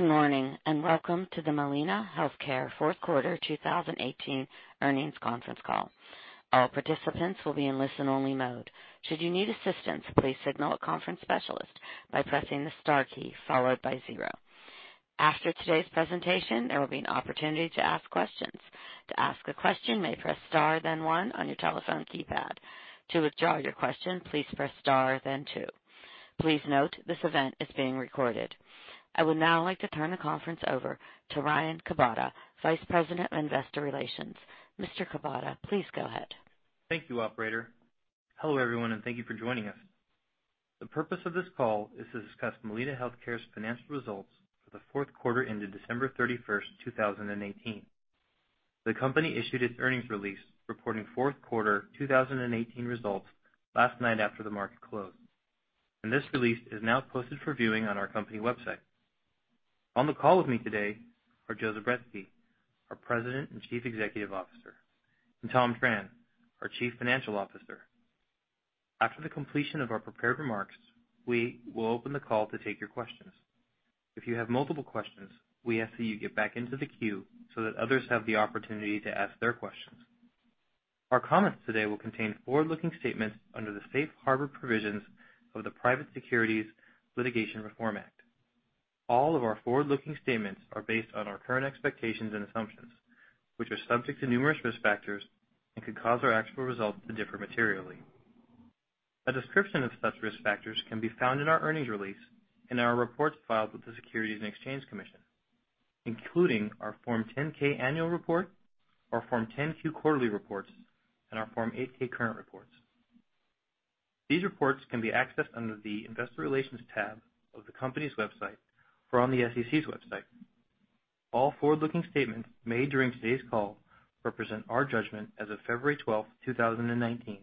Good morning, and welcome to the Molina Healthcare fourth quarter 2018 earnings conference call. All participants will be in listen-only mode. Should you need assistance, please signal a conference specialist by pressing the star key followed by zero. After today's presentation, there will be an opportunity to ask questions. To ask a question, you may press star then one on your telephone keypad. To withdraw your question, please press star then two. Please note this event is being recorded. I would now like to turn the conference over to Ryan Kubota, Vice President of Investor Relations. Mr. Kubota, please go ahead. Thank you, operator. Hello, everyone, and thank you for joining us. The purpose of this call is to discuss Molina Healthcare's financial results for the fourth quarter ended December 31, 2018. The company issued its earnings release reporting fourth quarter 2018 results last night after the market closed, and this release is now posted for viewing on our company website. On the call with me today are Joe Zubretsky, our President and Chief Executive Officer, and Tom Tran, our Chief Financial Officer. After the completion of our prepared remarks, we will open the call to take your questions. If you have multiple questions, we ask that you get back into the queue so that others have the opportunity to ask their questions. Our comments today will contain forward-looking statements under the Safe Harbor provisions of the Private Securities Litigation Reform Act. All of our forward-looking statements are based on our current expectations and assumptions, which are subject to numerous risk factors and could cause our actual results to differ materially. A description of such risk factors can be found in our earnings release and our reports filed with the Securities and Exchange Commission, including our Form 10-K annual report, our Form 10-Q quarterly reports, and our Form 8-K current reports. These reports can be accessed under the Investor Relations tab of the company's website or on the SEC's website. All forward-looking statements made during today's call represent our judgment as of February 12, 2019,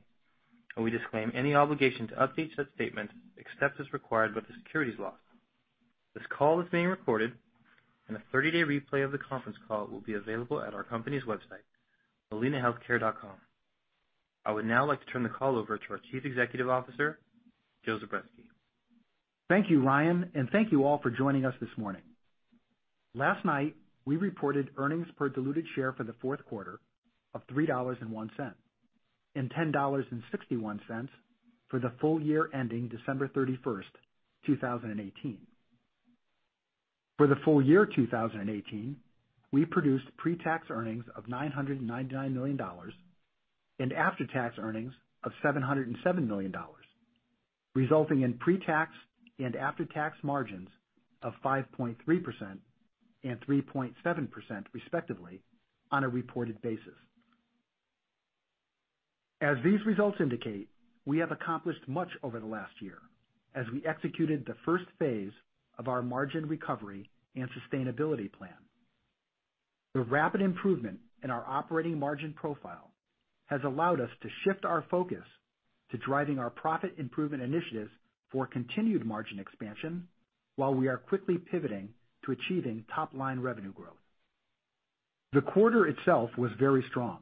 and we disclaim any obligation to update such statements except as required by the securities laws. This call is being recorded, and a 30-day replay of the conference call will be available at our company's website, molinahealthcare.com. I would now like to turn the call over to our Chief Executive Officer, Joe Zubretsky. Thank you, Ryan, and thank you all for joining us this morning. Last night, we reported earnings per diluted share for the fourth quarter of $3.01 and $10.61 for the full year ending December 31, 2018. For the full year 2018, we produced pre-tax earnings of $999 million and after-tax earnings of $707 million, resulting in pre-tax and after-tax margins of 5.3% and 3.7%, respectively, on a reported basis. As these results indicate, we have accomplished much over the last year as we executed the first phase of our margin recovery and sustainability plan. The rapid improvement in our operating margin profile has allowed us to shift our focus to driving our profit improvement initiatives for continued margin expansion while we are quickly pivoting to achieving top-line revenue growth. The quarter itself was very strong,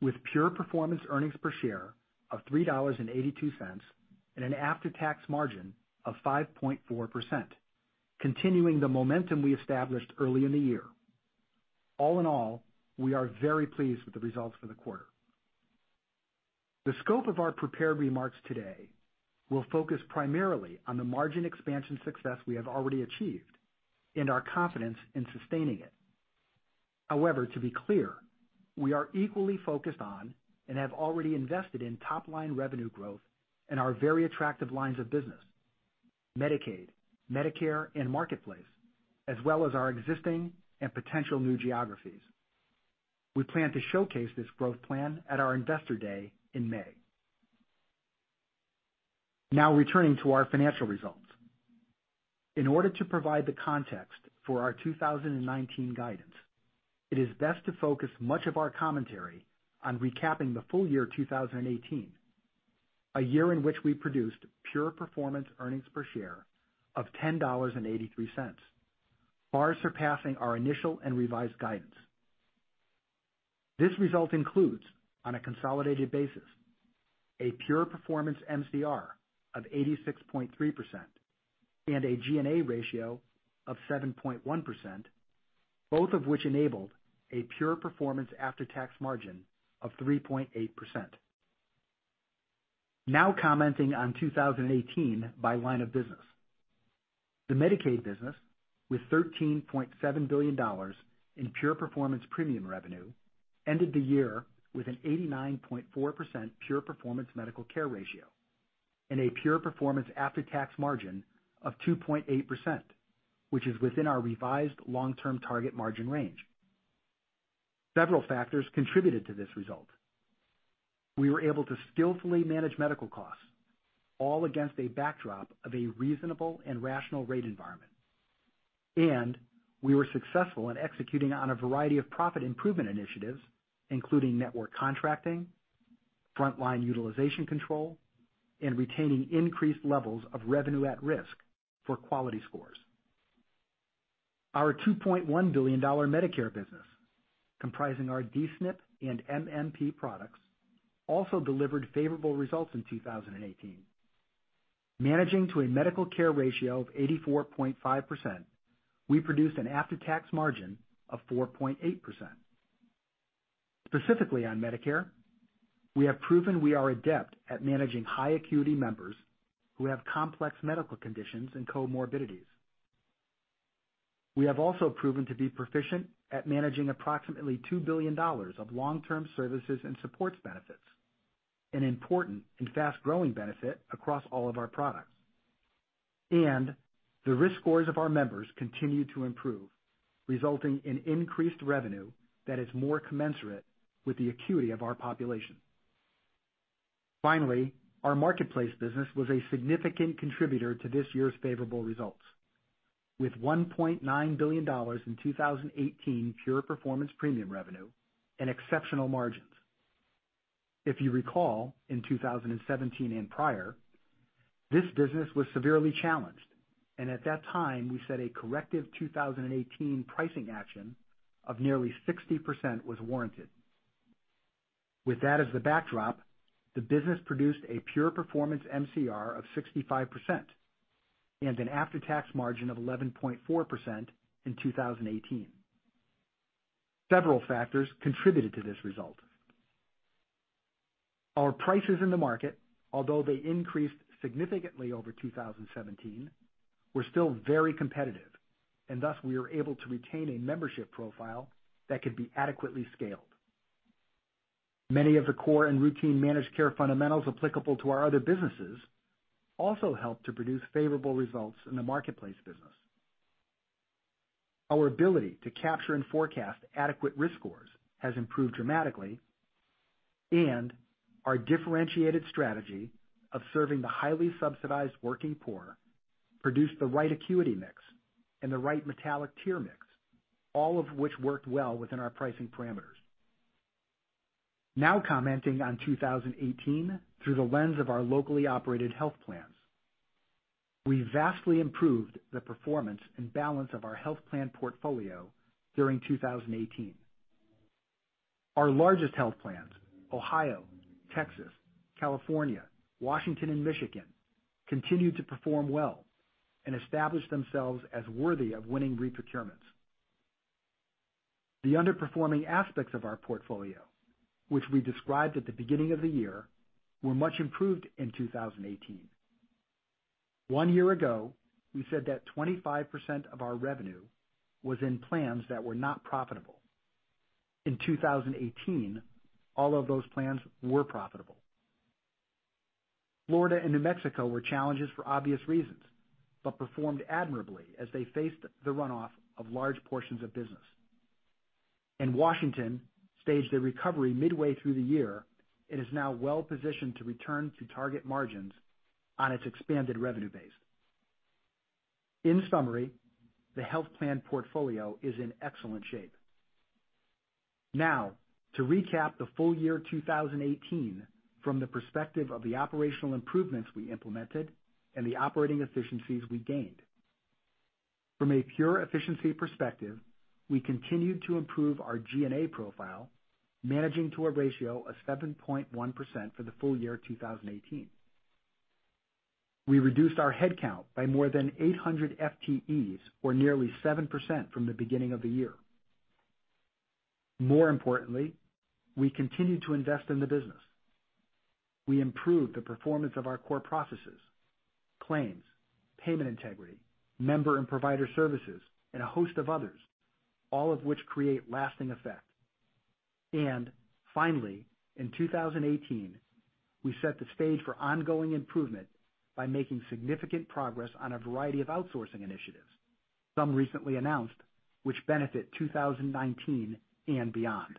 with pure performance earnings per share of $3.82 and an after-tax margin of 5.4%, continuing the momentum we established early in the year. All in all, we are very pleased with the results for the quarter. The scope of our prepared remarks today will focus primarily on the margin expansion success we have already achieved and our confidence in sustaining it. However, to be clear, we are equally focused on and have already invested in top-line revenue growth in our very attractive lines of business, Medicaid, Medicare, and Marketplace, as well as our existing and potential new geographies. We plan to showcase this growth plan at our Investor Day in May. Returning to our financial results. In order to provide the context for our 2019 guidance, it is best to focus much of our commentary on recapping the full year 2018, a year in which we produced pure performance earnings per share of $10.83, far surpassing our initial and revised guidance. This result includes, on a consolidated basis, a pure performance MCR of 86.3% and a G&A ratio of 7.1%, both of which enabled a pure performance after-tax margin of 3.8%. Commenting on 2018 by line of business. The Medicaid business, with $13.7 billion in pure performance premium revenue, ended the year with an 89.4% pure performance medical care ratio and a pure performance after-tax margin of 2.8%, which is within our revised long-term target margin range. Several factors contributed to this result. We were able to skillfully manage medical costs, all against a backdrop of a reasonable and rational rate environment. We were successful in executing on a variety of profit improvement initiatives, including network contracting, frontline utilization control, and retaining increased levels of revenue at risk for quality scores. Our $2.1 billion Medicare business, comprising our D-SNP and MMP products, also delivered favorable results in 2018. Managing to a medical care ratio of 84.5%, we produced an after-tax margin of 4.8%. Specifically on Medicare, we have proven we are adept at managing high acuity members who have complex medical conditions and comorbidities. We have also proven to be proficient at managing approximately $2 billion of long-term services and supports benefits, an important and fast-growing benefit across all of our products. The risk scores of our members continue to improve, resulting in increased revenue that is more commensurate with the acuity of our population. Finally, our Marketplace business was a significant contributor to this year's favorable results. With $1.9 billion in 2018 pure performance premium revenue and exceptional margins. If you recall, in 2017 and prior, this business was severely challenged. At that time, we said a corrective 2018 pricing action of nearly 60% was warranted. With that as the backdrop, the business produced a pure performance MCR of 65% and an after-tax margin of 11.4% in 2018. Several factors contributed to this result. Our prices in the market, although they increased significantly over 2017, were still very competitive. Thus, we were able to retain a membership profile that could be adequately scaled. Many of the core and routine managed care fundamentals applicable to our other businesses also helped to produce favorable results in the Marketplace business. Our ability to capture and forecast adequate risk scores has improved dramatically. Our differentiated strategy of serving the highly subsidized working poor produced the right acuity mix and the right metallic tier mix, all of which worked well within our pricing parameters. Now commenting on 2018 through the lens of our locally operated health plans. We vastly improved the performance and balance of our health plan portfolio during 2018. Our largest health plans, Ohio, Texas, California, Washington, and Michigan, continued to perform well and established themselves as worthy of winning re-procurements. The underperforming aspects of our portfolio, which we described at the beginning of the year, were much improved in 2018. One year ago, we said that 25% of our revenue was in plans that were not profitable. In 2018, all of those plans were profitable. Florida and New Mexico were challenges for obvious reasons, performed admirably as they faced the runoff of large portions of business. Washington staged a recovery midway through the year and is now well-positioned to return to target margins on its expanded revenue base. In summary, the health plan portfolio is in excellent shape. Now, to recap the full year 2018 from the perspective of the operational improvements we implemented and the operating efficiencies we gained. From a pure efficiency perspective, we continued to improve our G&A profile, managing to a ratio of 7.1% for the full year 2018. We reduced our headcount by more than 800 FTEs, or nearly 7% from the beginning of the year. More importantly, we continued to invest in the business. We improved the performance of our core processes, claims, payment integrity, member and provider services, and a host of others, all of which create lasting effect. Finally, in 2018, we set the stage for ongoing improvement by making significant progress on a variety of outsourcing initiatives, some recently announced, which benefit 2019 and beyond.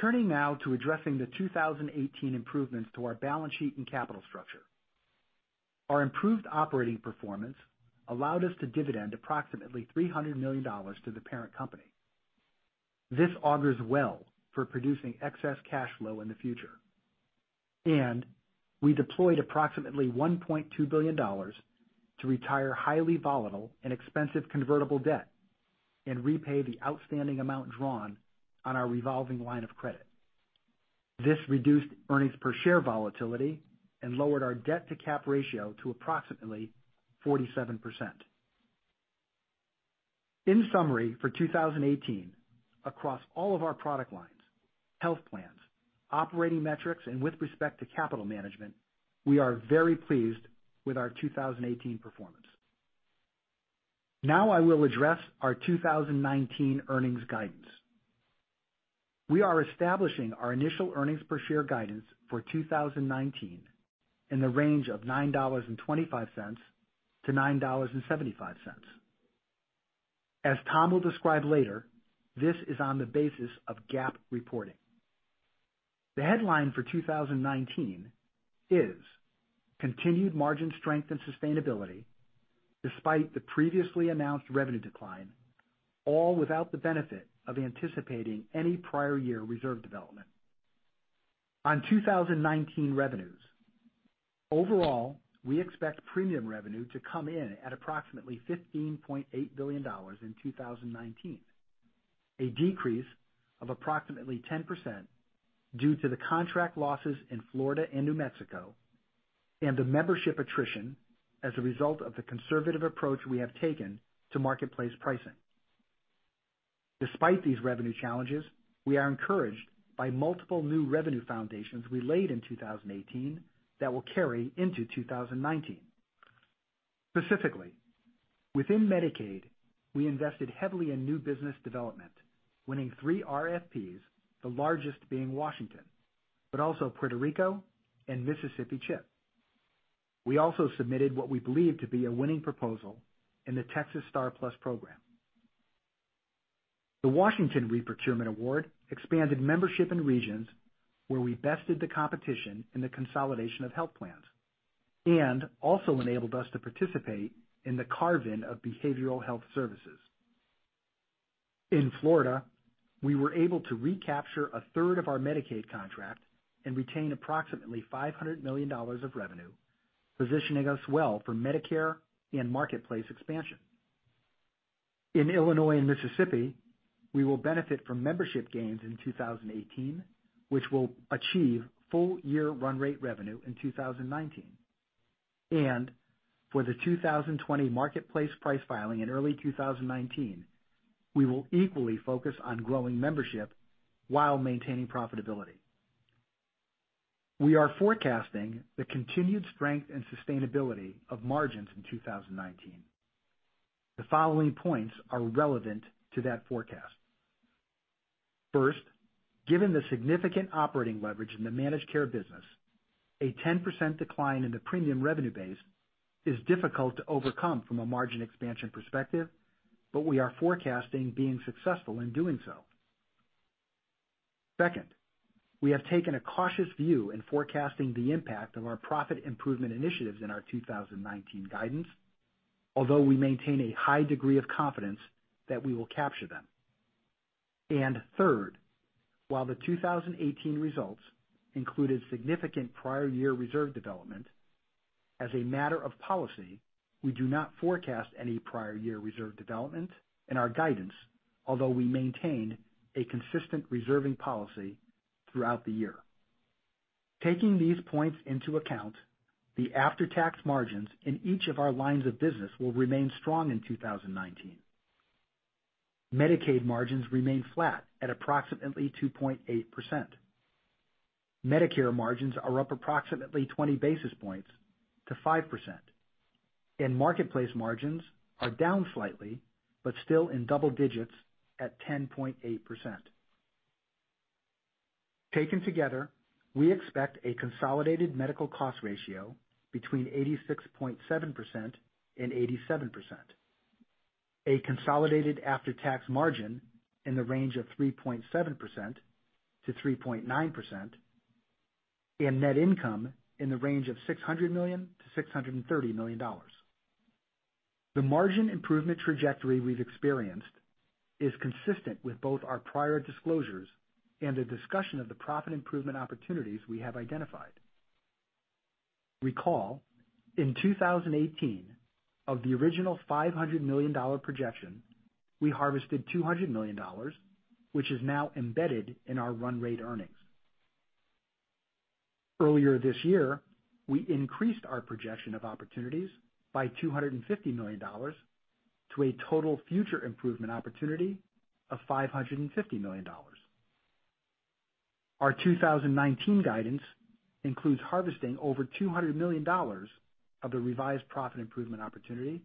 Turning now to addressing the 2018 improvements to our balance sheet and capital structure. Our improved operating performance allowed us to dividend approximately $300 million to the parent company. This augurs well for producing excess cash flow in the future. We deployed approximately $1.2 billion to retire highly volatile and expensive convertible debt and repay the outstanding amount drawn on our revolving line of credit. This reduced earnings per share volatility and lowered our debt-to-cap ratio to approximately 47%. In summary, for 2018, across all of our product lines, health plans, operating metrics, and with respect to capital management, we are very pleased with our 2018 performance. I will address our 2019 earnings guidance. We are establishing our initial earnings per share guidance for 2019 in the range of $9.25-$9.75. As Tom will describe later, this is on the basis of GAAP reporting. The headline for 2019 is continued margin strength and sustainability despite the previously announced revenue decline, all without the benefit of anticipating any prior year reserve development. On 2019 revenues, overall, we expect premium revenue to come in at approximately $15.8 billion in 2019. A decrease of approximately 10% due to the contract losses in Florida and New Mexico and the membership attrition as a result of the conservative approach we have taken to Marketplace pricing. Despite these revenue challenges, we are encouraged by multiple new revenue foundations we laid in 2018 that will carry into 2019. Specifically, within Medicaid, we invested heavily in new business development, winning three RFPs, the largest being Washington, but also Puerto Rico and Mississippi CHIP. We also submitted what we believe to be a winning proposal in the Texas STAR+PLUS program. The Washington re-procurement award expanded membership in regions where we bested the competition in the consolidation of health plans and also enabled us to participate in the carve-in of behavioral health services. In Florida, we were able to recapture a third of our Medicaid contract and retain approximately $500 million of revenue, positioning us well for Medicare and Marketplace expansion. In Illinois and Mississippi, we will benefit from membership gains in 2018, which will achieve full year run rate revenue in 2019. For the 2020 Marketplace price filing in early 2019, we will equally focus on growing membership while maintaining profitability. We are forecasting the continued strength and sustainability of margins in 2019. The following points are relevant to that forecast. First, given the significant operating leverage in the managed care business, a 10% decline in the premium revenue base is difficult to overcome from a margin expansion perspective, but we are forecasting being successful in doing so. Second, we have taken a cautious view in forecasting the impact of our profit improvement initiatives in our 2019 guidance, although we maintain a high degree of confidence that we will capture them. Third, while the 2018 results included significant prior year reserve development, as a matter of policy, we do not forecast any prior year reserve development in our guidance, although we maintain a consistent reserving policy throughout the year. Taking these points into account, the after-tax margins in each of our lines of business will remain strong in 2019. Medicaid margins remain flat at approximately 2.8%. Medicare margins are up approximately 20 basis points to 5%, and Marketplace margins are down slightly, but still in double digits at 10.8%. Taken together, we expect a consolidated medical cost ratio between 86.7% and 87%, a consolidated after-tax margin in the range of 3.7%-3.9%, and net income in the range of $600 million-$630 million. The margin improvement trajectory we've experienced is consistent with both our prior disclosures and the discussion of the profit improvement opportunities we have identified. Recall, in 2018, of the original $500 million projection, we harvested $200 million, which is now embedded in our run rate earnings. Earlier this year, we increased our projection of opportunities by $250 million to a total future improvement opportunity of $550 million. Our 2019 guidance includes harvesting over $200 million of the revised profit improvement opportunity,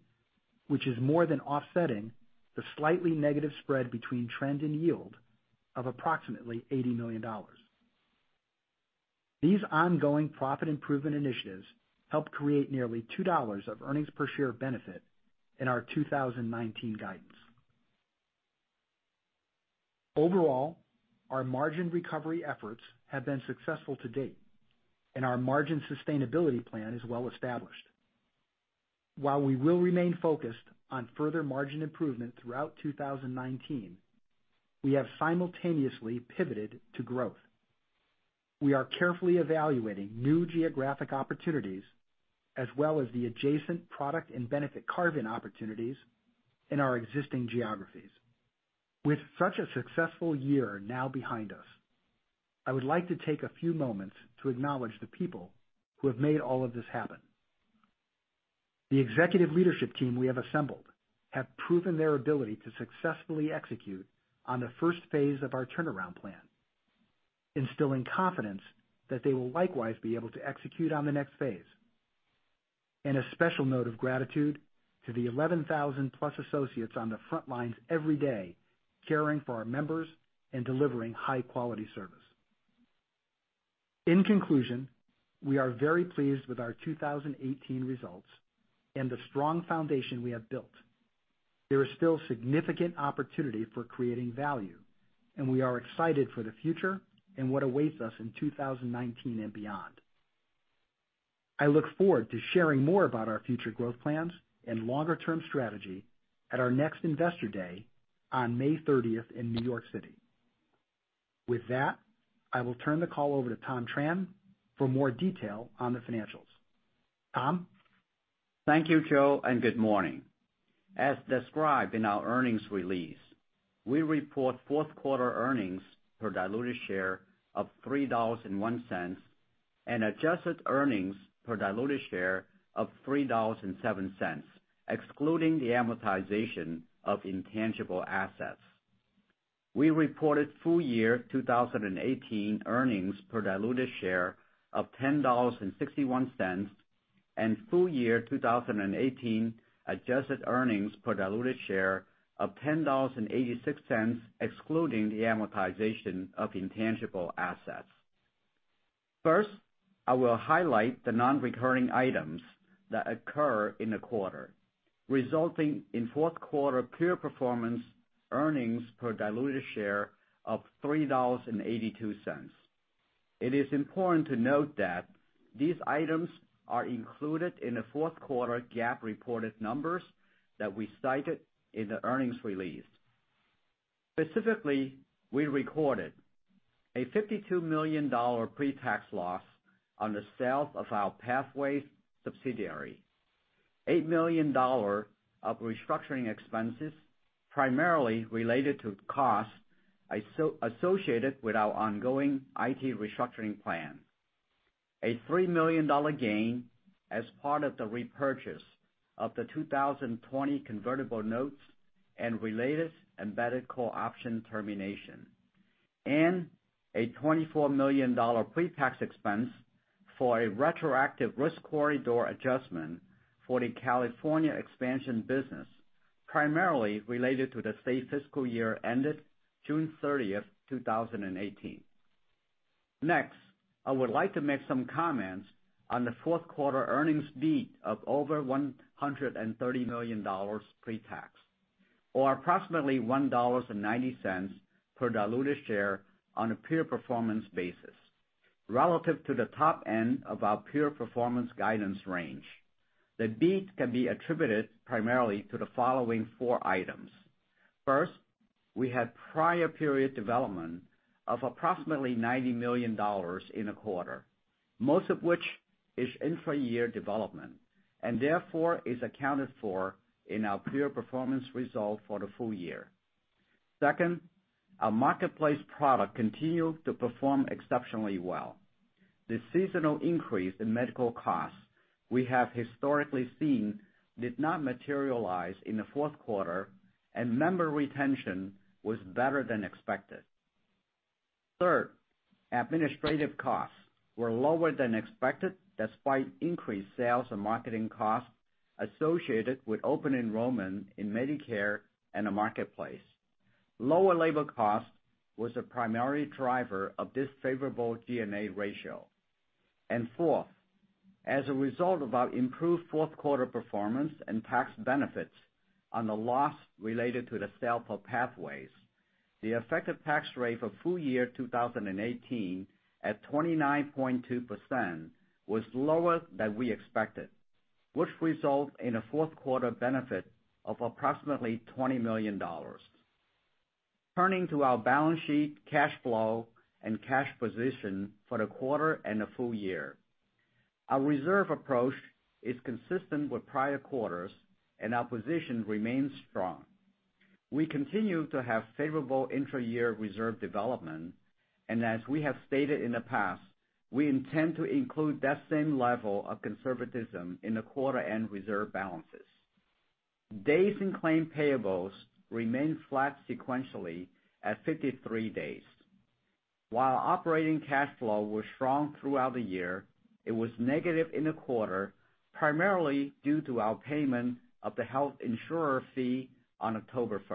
which is more than offsetting the slightly negative spread between trend and yield of approximately $80 million. These ongoing profit improvement initiatives helped create nearly $2 of earnings per share benefit in our 2019 guidance. Overall, our margin recovery efforts have been successful to date, and our margin sustainability plan is well established. While we will remain focused on further margin improvement throughout 2019, we have simultaneously pivoted to growth. We are carefully evaluating new geographic opportunities as well as the adjacent product and benefit carve-in opportunities in our existing geographies. With such a successful year now behind us, I would like to take a few moments to acknowledge the people who have made all of this happen. The executive leadership team we have assembled have proven their ability to successfully execute on the first phase of our turnaround plan, instilling confidence that they will likewise be able to execute on the next phase. A special note of gratitude to the 11,000+ associates on the front lines every day caring for our members and delivering high quality service. In conclusion, we are very pleased with our 2018 results and the strong foundation we have built. There is still significant opportunity for creating value, and we are excited for the future and what awaits us in 2019 and beyond. I look forward to sharing more about our future growth plans and longer term strategy at our next Investor Day on May 30th in New York City. With that, I will turn the call over to Tom Tran for more detail on the financials. Tom? Thank you, Joe. Good morning. As described in our earnings release, we report fourth quarter earnings per diluted share of $3.01, and adjusted earnings per diluted share of $3.07, excluding the amortization of intangible assets. We reported full year 2018 earnings per diluted share of $10.61, and full year 2018 adjusted earnings per diluted share of $10.86, excluding the amortization of intangible assets. First, I will highlight the non-recurring items that occur in the quarter, resulting in fourth quarter pure performance earnings per diluted share of $3.82. It is important to note that these items are included in the fourth quarter GAAP reported numbers that we cited in the earnings release. Specifically, we recorded a $52 million pre-tax loss on the sale of our Pathways subsidiary, $8 million of restructuring expenses, primarily related to costs associated with our ongoing IT restructuring plan, a $3 million gain as part of the repurchase of the 2020 convertible notes and related embedded call option termination, and a $24 million pre-tax expense for a retroactive risk corridor adjustment for the California expansion business, primarily related to the state fiscal year ended June 30th, 2018. Next, I would like to make some comments on the fourth quarter earnings beat of over $130 million pre-tax, or approximately $1.90 per diluted share on a pure performance basis, relative to the top end of our pure performance guidance range. The beat can be attributed primarily to the following four items. First, we had prior period development of approximately $90 million in the quarter, most of which is intra-year development. Therefore, is accounted for in our pure performance result for the full year. Second, our Marketplace product continued to perform exceptionally well. The seasonal increase in medical costs we have historically seen did not materialize in the fourth quarter. Member retention was better than expected. Third, administrative costs were lower than expected, despite increased sales and marketing costs associated with open enrollment in Medicare and the Marketplace. Lower labor cost was a primary driver of this favorable G&A ratio. Fourth, as a result of our improved fourth quarter performance and tax benefits on the loss related to the sale for Pathways, the effective tax rate for full year 2018 at 29.2% was lower than we expected, which result in a fourth quarter benefit of approximately $20 million. Turning to our balance sheet, cash flow, and cash position for the quarter and the full year. Our reserve approach is consistent with prior quarters. Our position remains strong. We continue to have favorable intra-year reserve development. As we have stated in the past, we intend to include that same level of conservatism in the quarter-end reserve balances. Days in claim payables remain flat sequentially at 53 days. While operating cash flow was strong throughout the year, it was negative in the quarter, primarily due to our payment of the health insurer fee on October 1st.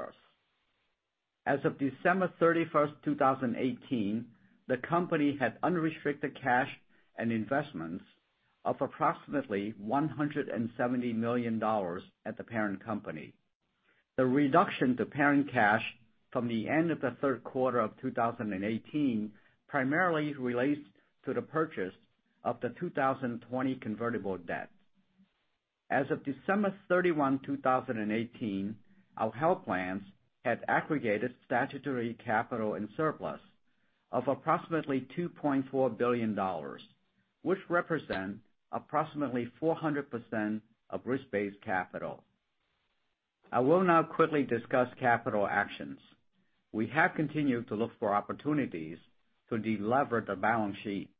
As of December 31st, 2018, the company had unrestricted cash and investments of approximately $170 million at the parent company. The reduction to parent cash from the end of the third quarter of 2018 primarily relates to the purchase of the 2020 convertible debt. As of December 31, 2018, our health plans had aggregated statutory capital and surplus of approximately $2.4 billion, which represent approximately 400% of risk-based capital. I will now quickly discuss capital actions. We have continued to look for opportunities to delever the balance sheet.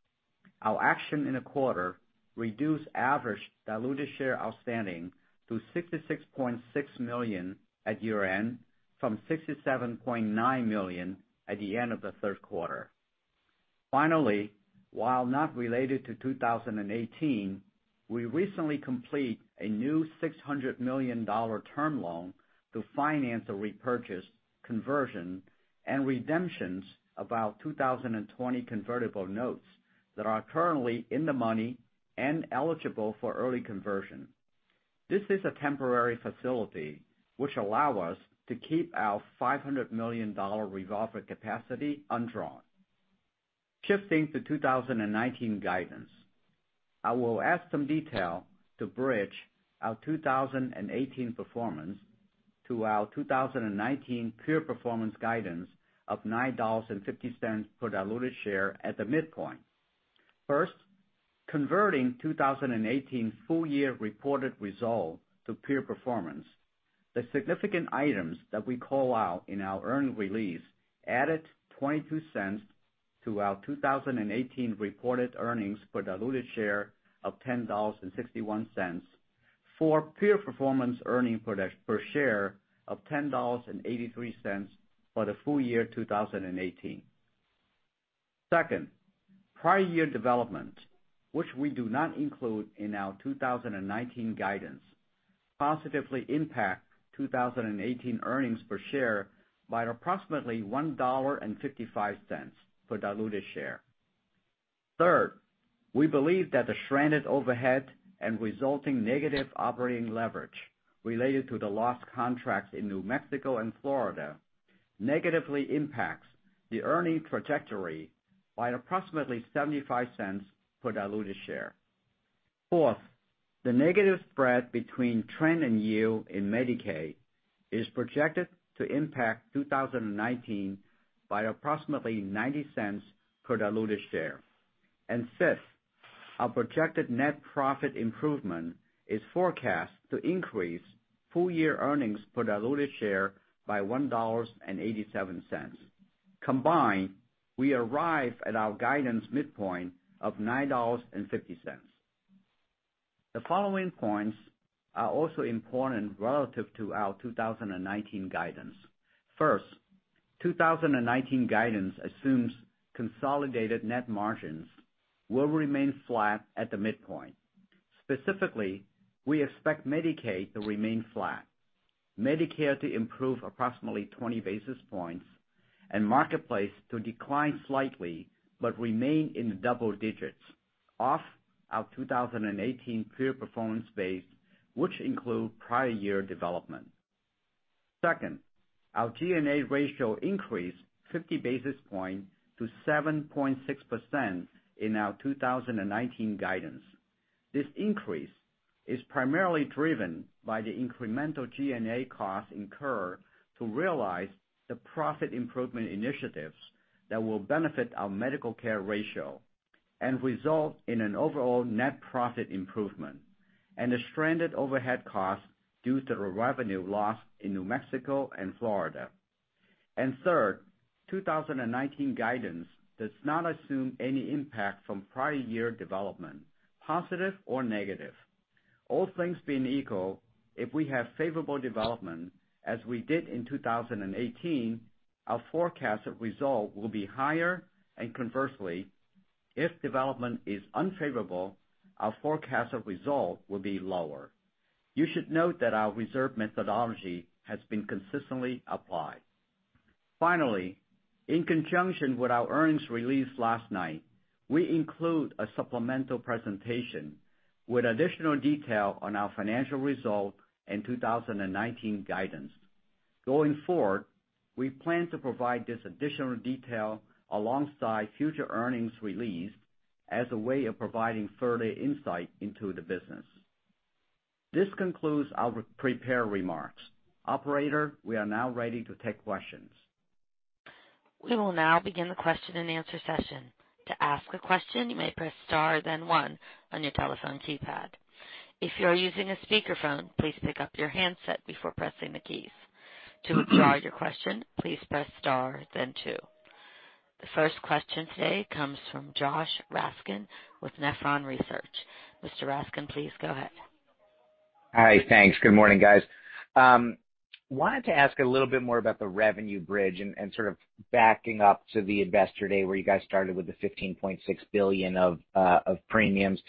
Our action in the quarter reduced average diluted share outstanding to 66.6 million at year-end from 67.9 million at the end of the third quarter. Finally, while not related to 2018, we recently complete a new $600 million term loan to finance a repurchase conversion and redemptions of our 2020 convertible notes that are currently in the money and eligible for early conversion. This is a temporary facility, which allow us to keep our $500 million revolver capacity undrawn. Shifting to 2019 guidance. I will add some detail to bridge our 2018 performance to our 2019 pure performance guidance of $9.50 per diluted share at the midpoint. First, converting 2018 full year reported results to pure performance. The significant items that we call out in our earnings release added $0.22 to our 2018 reported earnings per diluted share of $10.61 for pure performance earnings per share of $10.83 for the full year 2018. Second, prior year development, which we do not include in our 2019 guidance, positively impacted 2018 earnings per share by approximately $1.55 per diluted share. Third, we believe that the stranded overhead and resulting negative operating leverage related to the lost contracts in New Mexico and Florida negatively impacts the earnings trajectory by approximately $0.75 per diluted share. Fourth, the negative spread between trend and yield in Medicaid is projected to impact 2019 by approximately $0.90 per diluted share. Fifth, our projected net profit improvement is forecast to increase full year earnings per diluted share by $1.87. Combined, we arrive at our guidance midpoint of $9.50. The following points are also important relative to our 2019 guidance. First, 2019 guidance assumes consolidated net margins will remain flat at the midpoint. Specifically, we expect Medicaid to remain flat, Medicare to improve approximately 20 basis points, and Marketplace to decline slightly but remain in the double digits off our 2018 pure performance base, which included prior year development. Second, our G&A ratio increased 50 basis points to 7.6% in our 2019 guidance. This increase is primarily driven by the incremental G&A cost incurred to realize the profit improvement initiatives that will benefit our medical care ratio and result in an overall net profit improvement and a stranded overhead cost due to the revenue loss in New Mexico and Florida. Third, 2019 guidance does not assume any impact from prior year development, positive or negative. All things being equal, if we have favorable development as we did in 2018, our forecasted results will be higher, and conversely, if development is unfavorable, our forecasted results will be lower. You should note that our reserve methodology has been consistently applied. Finally, in conjunction with our earnings release last night, we included a supplemental presentation with additional detail on our financial results in 2019 guidance. Going forward, we plan to provide this additional detail alongside future earnings releases as a way of providing further insight into the business. This concludes our prepared remarks. Operator, we are now ready to take questions. We will now begin the question-and-answer session. To ask a question, you may press star then one on your telephone keypad. If you are using a speakerphone, please pick up your handset before pressing the keys. To withdraw your question, please press star then two. The first question today comes from Josh Raskin with Nephron Research. Mr. Raskin, please go ahead. Hi. Thanks. Good morning, guys. Wanted to ask a little bit more about the revenue bridge and sort of backing up to the Investor Day where you guys started with the $15.6 billion of premiums.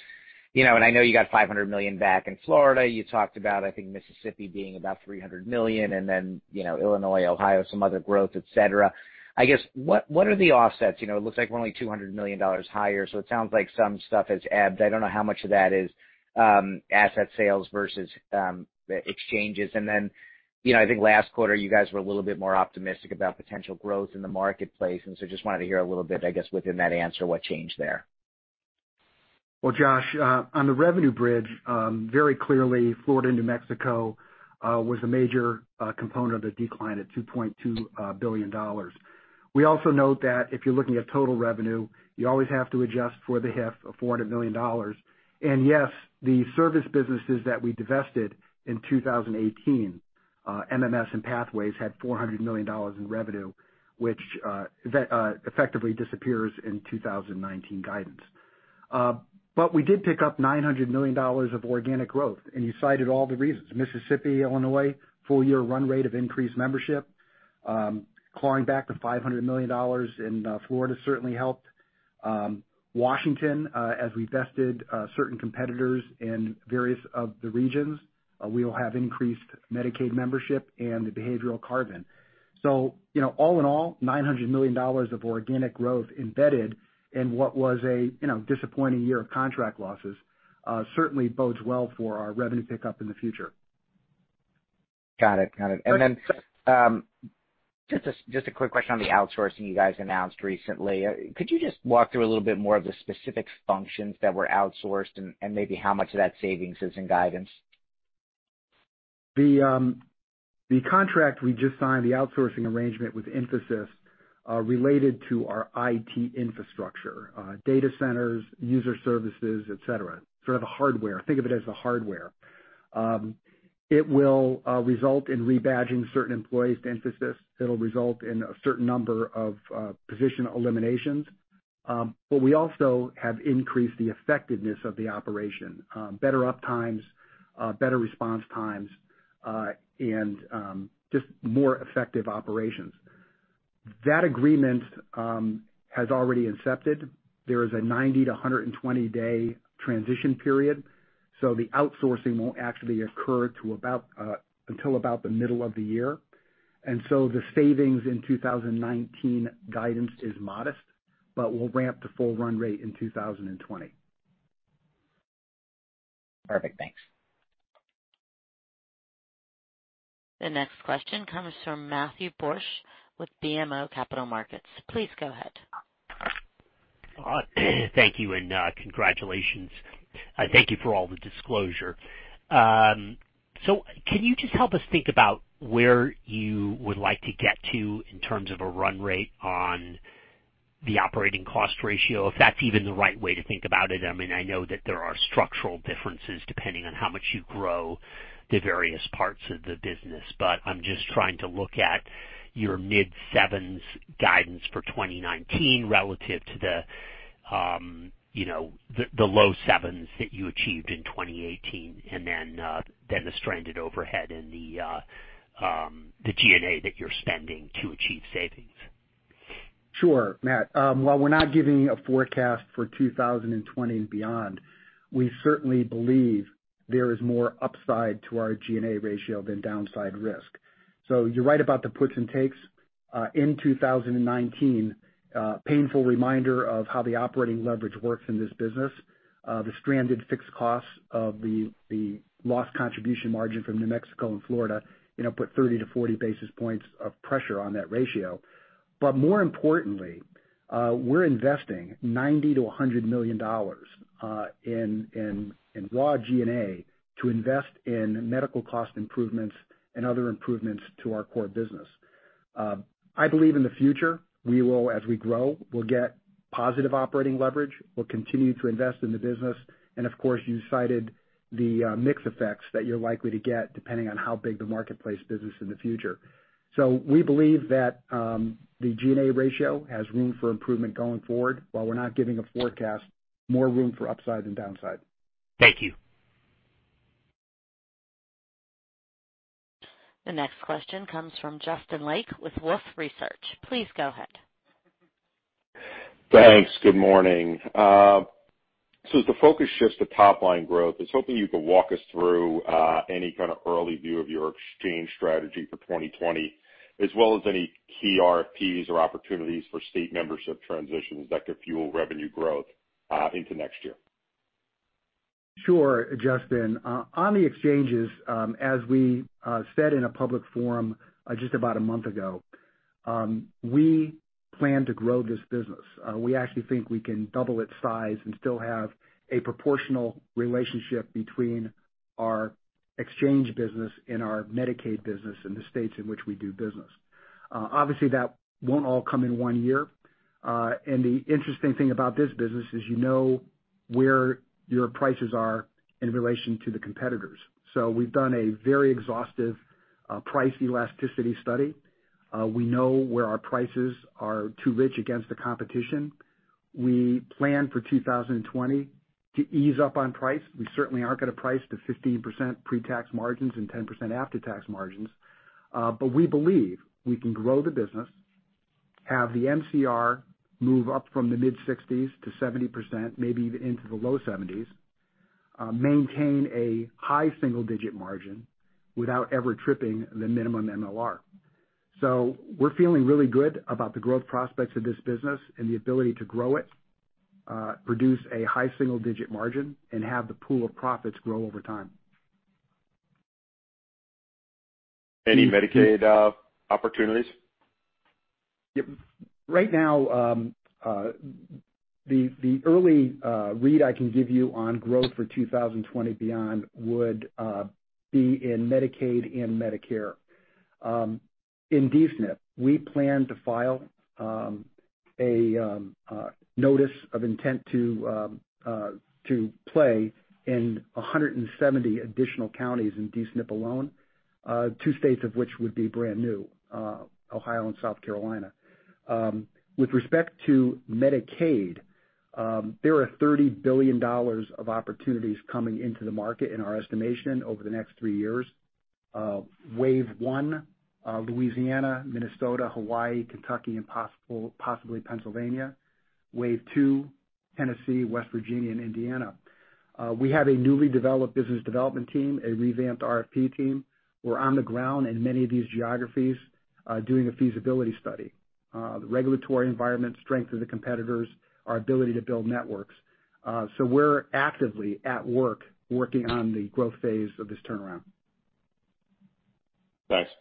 I know you got $500 million back in Florida. You talked about, I think, Mississippi being about $300 million, then Illinois, Ohio, some other growth, et cetera. I guess, what are the offsets? It looks like we're only $200 million higher, so it sounds like some stuff has ebbed. I don't know how much of that is asset sales versus the exchanges. Then, I think last quarter, you guys were a little bit more optimistic about potential growth in the Marketplace, just wanted to hear a little bit, I guess, within that answer, what changed there? Well, Josh, on the revenue bridge, very clearly, Florida and New Mexico was a major component of the decline at $2.2 billion. We also note that if you're looking at total revenue, you always have to adjust for the HIF of $400 million. Yes, the service businesses that we divested in 2018, MMS and Pathways, had $400 million in revenue, which effectively disappears in 2019 guidance. We did pick up $900 million of organic growth, and you cited all the reasons. Mississippi, Illinois, full year run rate of increased membership. Clawing back the $500 million in Florida certainly helped. Washington, as we vested certain competitors in various of the regions, we will have increased Medicaid membership and the behavioral carve-in. All in all, $900 million of organic growth embedded in what was a disappointing year of contract losses certainly bodes well for our revenue pickup in the future. Got it. Then just a quick question on the outsourcing you guys announced recently. Could you just walk through a little bit more of the specific functions that were outsourced and maybe how much of that savings is in guidance? The contract we just signed, the outsourcing arrangement with Infosys, related to our IT infrastructure data centers, user services, et cetera, sort of the hardware. Think of it as the hardware. It'll result in rebadging certain employees to Infosys. It'll result in a certain number of position eliminations. We also have increased the effectiveness of the operation. Better up times, better response times, and just more effective operations. That agreement has already incepted. There is a 90-120 day transition period, so the outsourcing won't actually occur until about the middle of the year. The savings in 2019 guidance is modest, but we'll ramp to full run rate in 2020. Perfect. Thanks. The next question comes from Matthew Borsch with BMO Capital Markets. Please go ahead. Thank you. Congratulations. Thank you for all the disclosure. Can you just help us think about where you would like to get to in terms of a run rate on the operating cost ratio, if that's even the right way to think about it? I know that there are structural differences depending on how much you grow the various parts of the business. I'm just trying to look at your mid-sevens guidance for 2019 relative to the low sevens that you achieved in 2018, and then the stranded overhead and the G&A that you're spending to achieve savings. Sure, Matt. While we're not giving a forecast for 2020 and beyond, we certainly believe there is more upside to our G&A ratio than downside risk. You're right about the puts and takes. In 2019, painful reminder of how the operating leverage works in this business. The stranded fixed costs of the lost contribution margin from New Mexico and Florida put 30-40 basis points of pressure on that ratio. More importantly, we're investing $90 million-$100 million in raw G&A to invest in medical cost improvements and other improvements to our core business. I believe in the future, as we grow, we'll get positive operating leverage. We'll continue to invest in the business, and of course, you cited the mix effects that you're likely to get depending on how big the Marketplace business in the future. We believe that the G&A ratio has room for improvement going forward. While we're not giving a forecast, more room for upside than downside. Thank you. The next question comes from Justin Lake with Wolfe Research. Please go ahead. Thanks. Good morning. As the focus shifts to top-line growth, I was hoping you could walk us through any kind of early view of your exchange strategy for 2020, as well as any key RFPs or opportunities for state membership transitions that could fuel revenue growth into next year. Sure, Justin. On the exchanges, as we said in a public forum just about a month ago, we plan to grow this business. We actually think we can double its size and still have a proportional relationship between our exchange business and our Medicaid business in the states in which we do business. Obviously, that won't all come in one year. The interesting thing about this business is, you know where your prices are in relation to the competitors. We've done a very exhaustive price elasticity study. We know where our prices are too rich against the competition. We plan for 2020 to ease up on price. We certainly aren't going to price to 15% pre-tax margins and 10% after-tax margins. We believe we can grow the business, have the MCR move up from the mid-60s to 70%, maybe even into the low 70s, maintain a high single-digit margin without ever tripping the minimum MLR. We're feeling really good about the growth prospects of this business and the ability to grow it, produce a high single-digit margin, and have the pool of profits grow over time. Any Medicaid opportunities? Right now, the early read I can give you on growth for 2020 beyond would be in Medicaid and Medicare. In D-SNP, we plan to file a notice of intent to play in 170 additional counties in D-SNP alone, two states of which would be brand new, Ohio and South Carolina. With respect to Medicaid, there are $30 billion of opportunities coming into the market, in our estimation, over the next three years. Wave one, Louisiana, Minnesota, Hawaii, Kentucky, and possibly Pennsylvania. Wave two, Tennessee, West Virginia, and Indiana. We have a newly developed business development team, a revamped RFP team. We're on the ground in many of these geographies doing a feasibility study. The regulatory environment, strength of the competitors, our ability to build networks. We're actively at work, working on the growth phase of this turnaround. Thanks.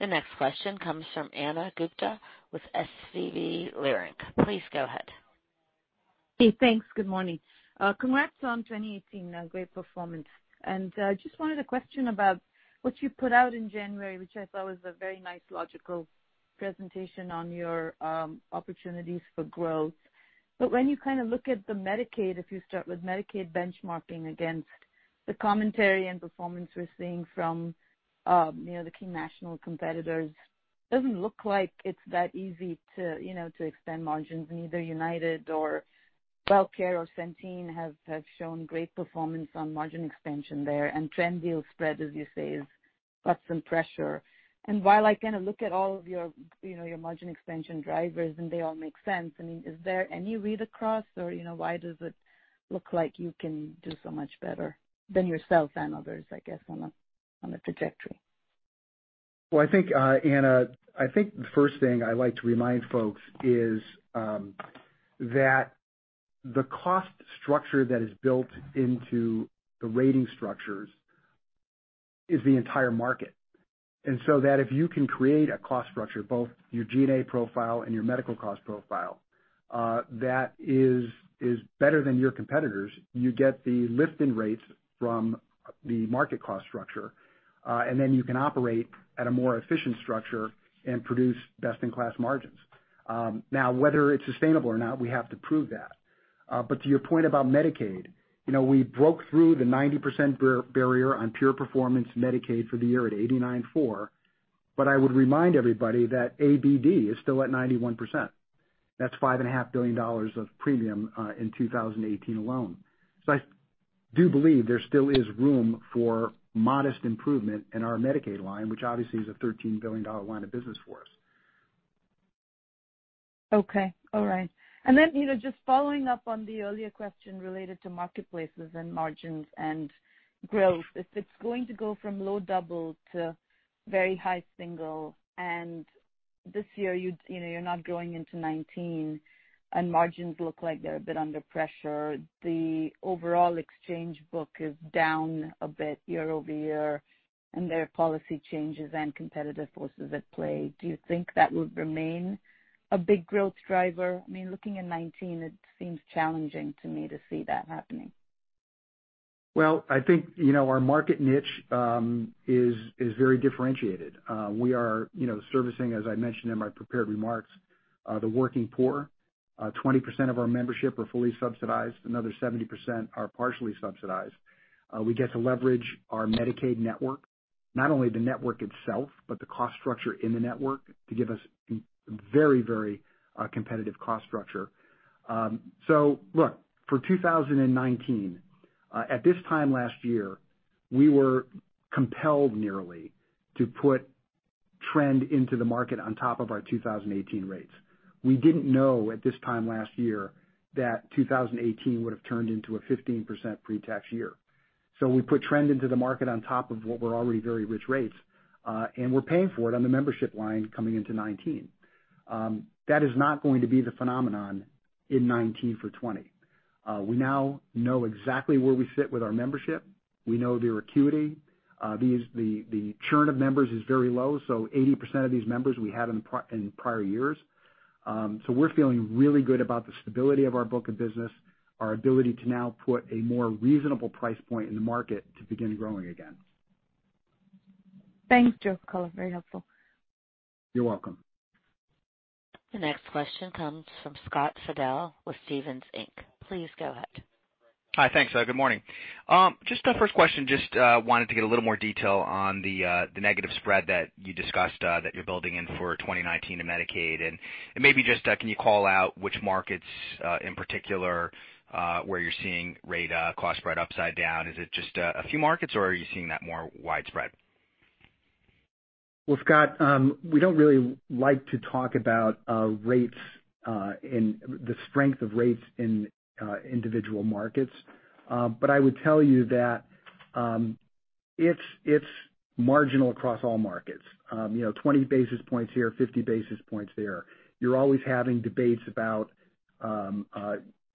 The next question comes from Ana Gupte with SVB Leerink. Please go ahead. Hey, thanks. Good morning. Congrats on 2018, great performance. Just wanted to question about what you put out in January, which I thought was a very nice logical presentation on your opportunities for growth. When you look at the Medicaid, if you start with Medicaid benchmarking against the commentary and performance we're seeing from the key national competitors, doesn't look like it's that easy to extend margins. Neither United or WellCare or Centene have shown great performance on margin expansion there, and trend deal spread, as you say, is got some pressure. While I look at all of your margin expansion drivers, and they all make sense, is there any read across or why does it look like you can do so much better than yourself and others, I guess, on the trajectory? Well, Ana, I think the first thing I like to remind folks is that the cost structure that is built into the rating structures is the entire market. If you can create a cost structure, both your G&A profile and your medical cost profile, that is better than your competitors, you get the lift in rates from the market cost structure, and then you can operate at a more efficient structure and produce best-in-class margins. Now whether it's sustainable or not, we have to prove that. To your point about Medicaid, we broke through the 90% barrier on pure performance Medicaid for the year at 89.4%. I would remind everybody that ABD is still at 91%. That's $5.5 billion of premium in 2018 alone. I do believe there still is room for modest improvement in our Medicaid line, which obviously is a $13 billion line of business for us. Okay. All right. Then, just following up on the earlier question related to Marketplaces and margins and growth. If it's going to go from low double to very high single, this year you're not going into 2019, and margins look like they're a bit under pressure, the overall Exchange book is down a bit year-over-year, and there are policy changes and competitive forces at play. Do you think that would remain a big growth driver? Looking in 2019, it seems challenging to me to see that happening. Well, I think, our market niche is very differentiated. We are servicing, as I mentioned in my prepared remarks, the working poor. 20% of our membership are fully subsidized. Another 70% are partially subsidized. We get to leverage our Medicaid network, not only the network itself, but the cost structure in the network to give us very competitive cost structure. Look, for 2019, at this time last year, we were compelled nearly to put trend into the market on top of our 2018 rates. We didn't know at this time last year that 2018 would've turned into a 15% pre-tax year. We put trend into the market on top of what were already very rich rates. We're paying for it on the membership line coming into 2019. That is not going to be the phenomenon in 2019 for 2020. We now know exactly where we sit with our membership. We know their acuity. The churn of members is very low, so 80% of these members we had in prior years. We're feeling really good about the stability of our book of business, our ability to now put a more reasonable price point in the market to begin growing again. Thanks, Joe. Very helpful. You're welcome. The next question comes from Scott Fidel with Stephens Inc. Please go ahead. Hi. Thanks. Good morning. Just a first question, just wanted to get a little more detail on the negative spread that you discussed, that you're building in for 2019 in Medicaid, and maybe just can you call out which markets, in particular, where you're seeing rate cost spread upside down? Is it just a few markets, or are you seeing that more widespread? Scott, we don't really like to talk about the strength of rates in individual markets. I would tell you that it's marginal across all markets. 20 basis points here, 50 basis points there. You're always having debates about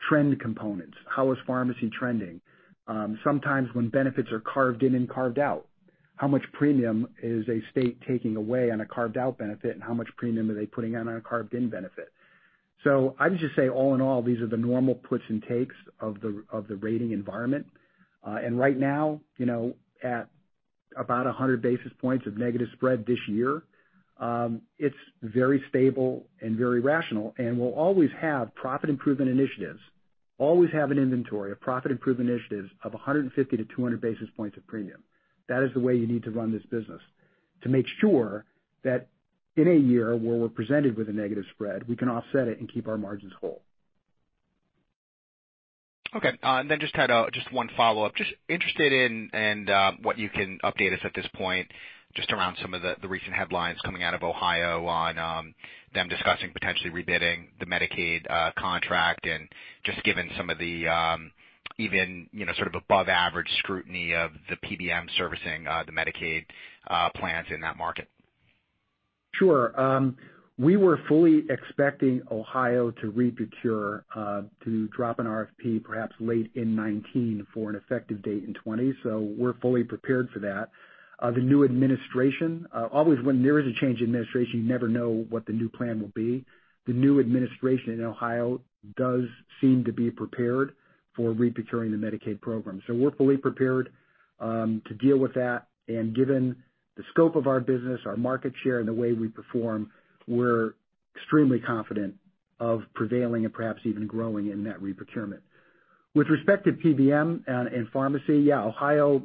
trend components. How is pharmacy trending? Sometimes when benefits are carved in and carved out, how much premium is a state taking away on a carved-out benefit, and how much premium are they putting on a carved-in benefit? I would just say, all in all, these are the normal puts and takes of the rating environment. Right now, at about 100 basis points of negative spread this year, it's very stable and very rational, and we'll always have profit improvement initiatives, always have an inventory of profit improvement initiatives of 150-200 basis points of premium. That is the way you need to run this business to make sure that in a year where we're presented with a negative spread, we can offset it and keep our margins whole. Okay. Just had just one follow-up. Just interested in what you can update us at this point, just around some of the recent headlines coming out of Ohio on them discussing potentially rebidding the Medicaid contract and just given some of the, even, sort of above average scrutiny of the PBM servicing, the Medicaid plans in that market. Sure. We were fully expecting Ohio to reprocure, to drop an RFP perhaps late in 2019 for an effective date in 2020. We're fully prepared for that. The new administration always when there is a change in administration, you never know what the new plan will be. The new administration in Ohio does seem to be prepared for reprocuring the Medicaid program. We're fully prepared to deal with that. Given the scope of our business, our market share, and the way we perform, we're extremely confident of prevailing and perhaps even growing in that reprocurement. With respect to PBM and pharmacy, yeah, Ohio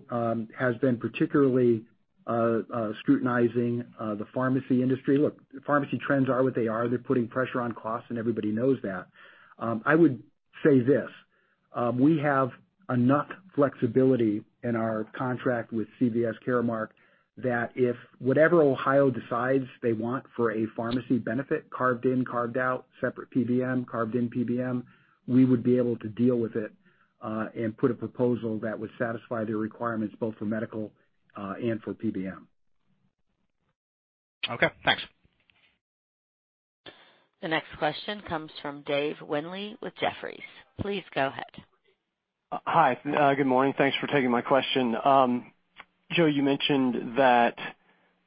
has been particularly scrutinizing the pharmacy industry. Look, pharmacy trends are what they are. They're putting pressure on costs, and everybody knows that. I would say this: We have enough flexibility in our contract with CVS Caremark that if whatever Ohio decides they want for a pharmacy benefit, carved in, carved out, separate PBM, carved in PBM, we would be able to deal with it, and put a proposal that would satisfy their requirements both for medical, and for PBM. Okay, thanks. The next question comes from Dave Windley with Jefferies. Please go ahead. Hi, good morning. Thanks for taking my question. Joe, you mentioned that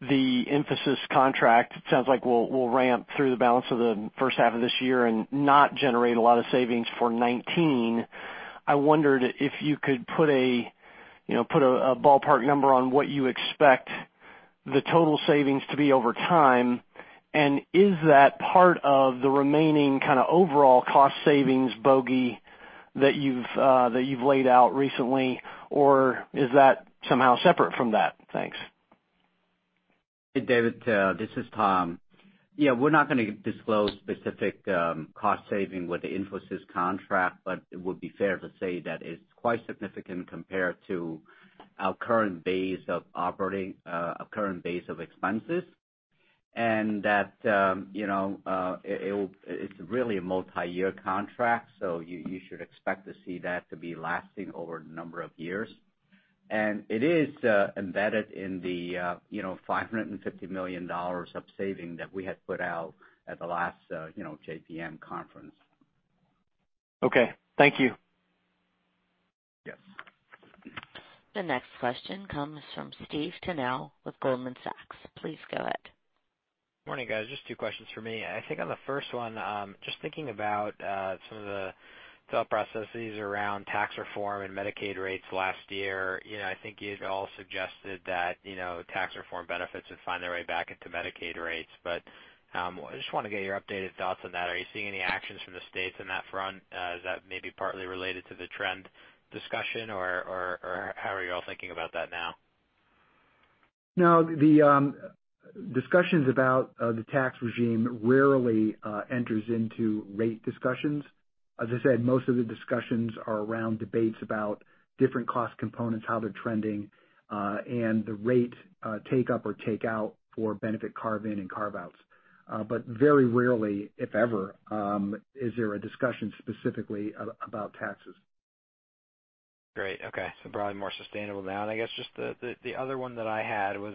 the Infosys contract, it sounds like, will ramp through the balance of the first half of this year and not generate a lot of savings for 2019. I wondered if you could put a ballpark number on what you expect the total savings to be over time. Is that part of the remaining kind of overall cost savings bogey that you've laid out recently, or is that somehow separate from that? Thanks. Hey, David, this is Tom. Yeah, we're not going to disclose specific cost saving with the Infosys contract, but it would be fair to say that it's quite significant compared to our current base of operating, our current base of expenses. That, it's really a multiyear contract. You should expect to see that to be lasting over a number of years. It is embedded in the $550 million of saving that we had put out at the last JPM conference. Okay, thank you. Yes. The next question comes from Steve Tanal with Goldman Sachs. Please go ahead. Morning, guys. Just two questions from me. I think on the first one, just thinking about some of the thought processes around tax reform and Medicaid rates last year, I think you'd all suggested that tax reform benefits would find their way back into Medicaid rates. I just want to get your updated thoughts on that. Are you seeing any actions from the states on that front? Is that maybe partly related to the trend discussion, or how are you all thinking about that now? No, the discussions about the tax regime rarely enters into rate discussions. As I said, most of the discussions are around debates about different cost components, how they're trending, and the rate take up or take out for benefit carve-in and carve-outs. Very rarely, if ever, is there a discussion specifically about taxes. Great. Okay. Probably more sustainable now. I guess just the other one that I had was,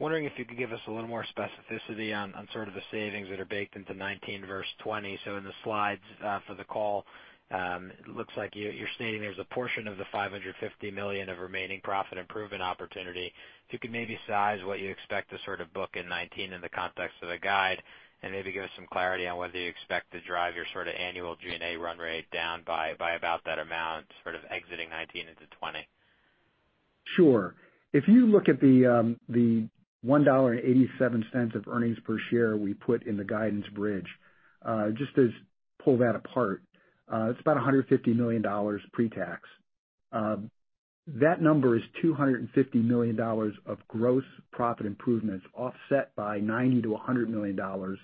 wondering if you could give us a little more specificity on sort of the savings that are baked into 2019 versus 2020. In the slides for the call, it looks like you're stating there's a portion of the $550 million of remaining profit improvement opportunity. If you could maybe size what you expect to sort of book in 2019 in the context of the guide, and maybe give us some clarity on whether you expect to drive your sort of annual G&A run rate down by about that amount, sort of exiting 2019 into 2020. Sure. If you look at the $1.87 of earnings per share we put in the guidance bridge, just to pull that apart, it's about $150 million pre-tax. That number is $250 million of gross profit improvements offset by $90 million-$100 million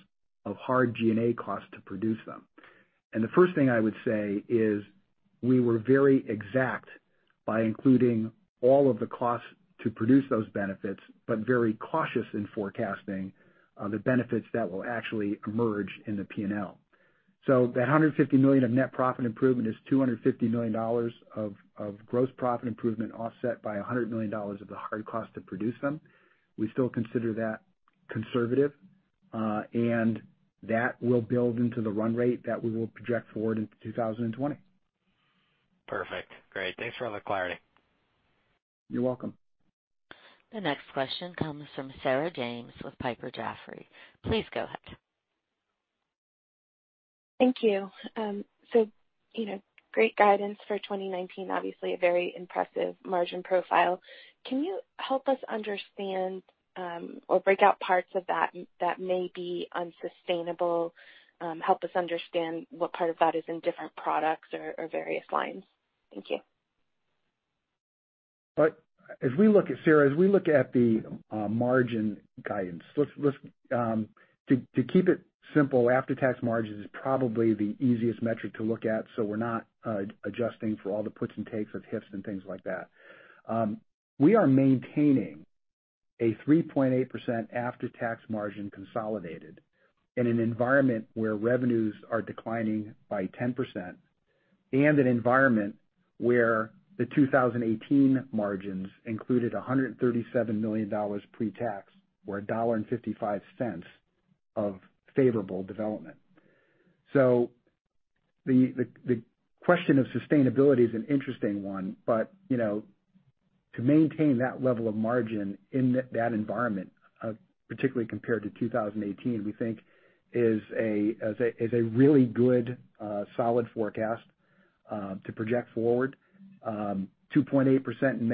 of hard G&A costs to produce them. The first thing I would say is we were very exact by including all of the costs to produce those benefits, but very cautious in forecasting the benefits that will actually emerge in the P&L. The $150 million of net profit improvement is $250 million of gross profit improvement offset by $100 million of the hard cost to produce them. We still consider that conservative, and that will build into the run rate that we will project forward into 2020. Perfect. Great. Thanks for all the clarity. You're welcome. The next question comes from Sarah James with Piper Jaffray. Please go ahead. Thank you. Great guidance for 2019. Obviously a very impressive margin profile. Can you help us understand, or break out parts of that that may be unsustainable? Help us understand what part of that is in different products or various lines. Thank you. Sarah, as we look at the margin guidance, to keep it simple, after tax margin is probably the easiest metric to look at, so we're not adjusting for all the puts and takes of hips and things like that. We are maintaining a 3.8% after-tax margin consolidated in an environment where revenues are declining by 10%, and an environment where the 2018 margins included $137 million pre-tax, or $1.55 of favorable development. The question of sustainability is an interesting one, but to maintain that level of margin in that environment, particularly compared to 2018, we think is a really good solid forecast to project forward. 2.8% in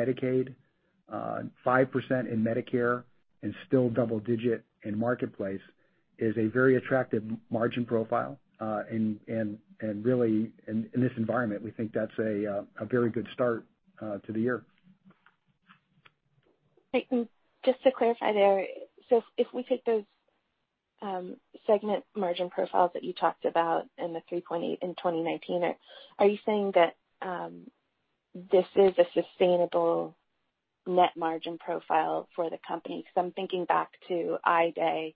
Medicaid, 5% in Medicare, and still double digit in Marketplace is a very attractive margin profile. Really, in this environment, we think that's a very good start to the year. Just to clarify there, if we take those segment margin profiles that you talked about and the 3.8% in 2019, are you saying that this is a sustainable net margin profile for the company? Because I'm thinking back to I Day,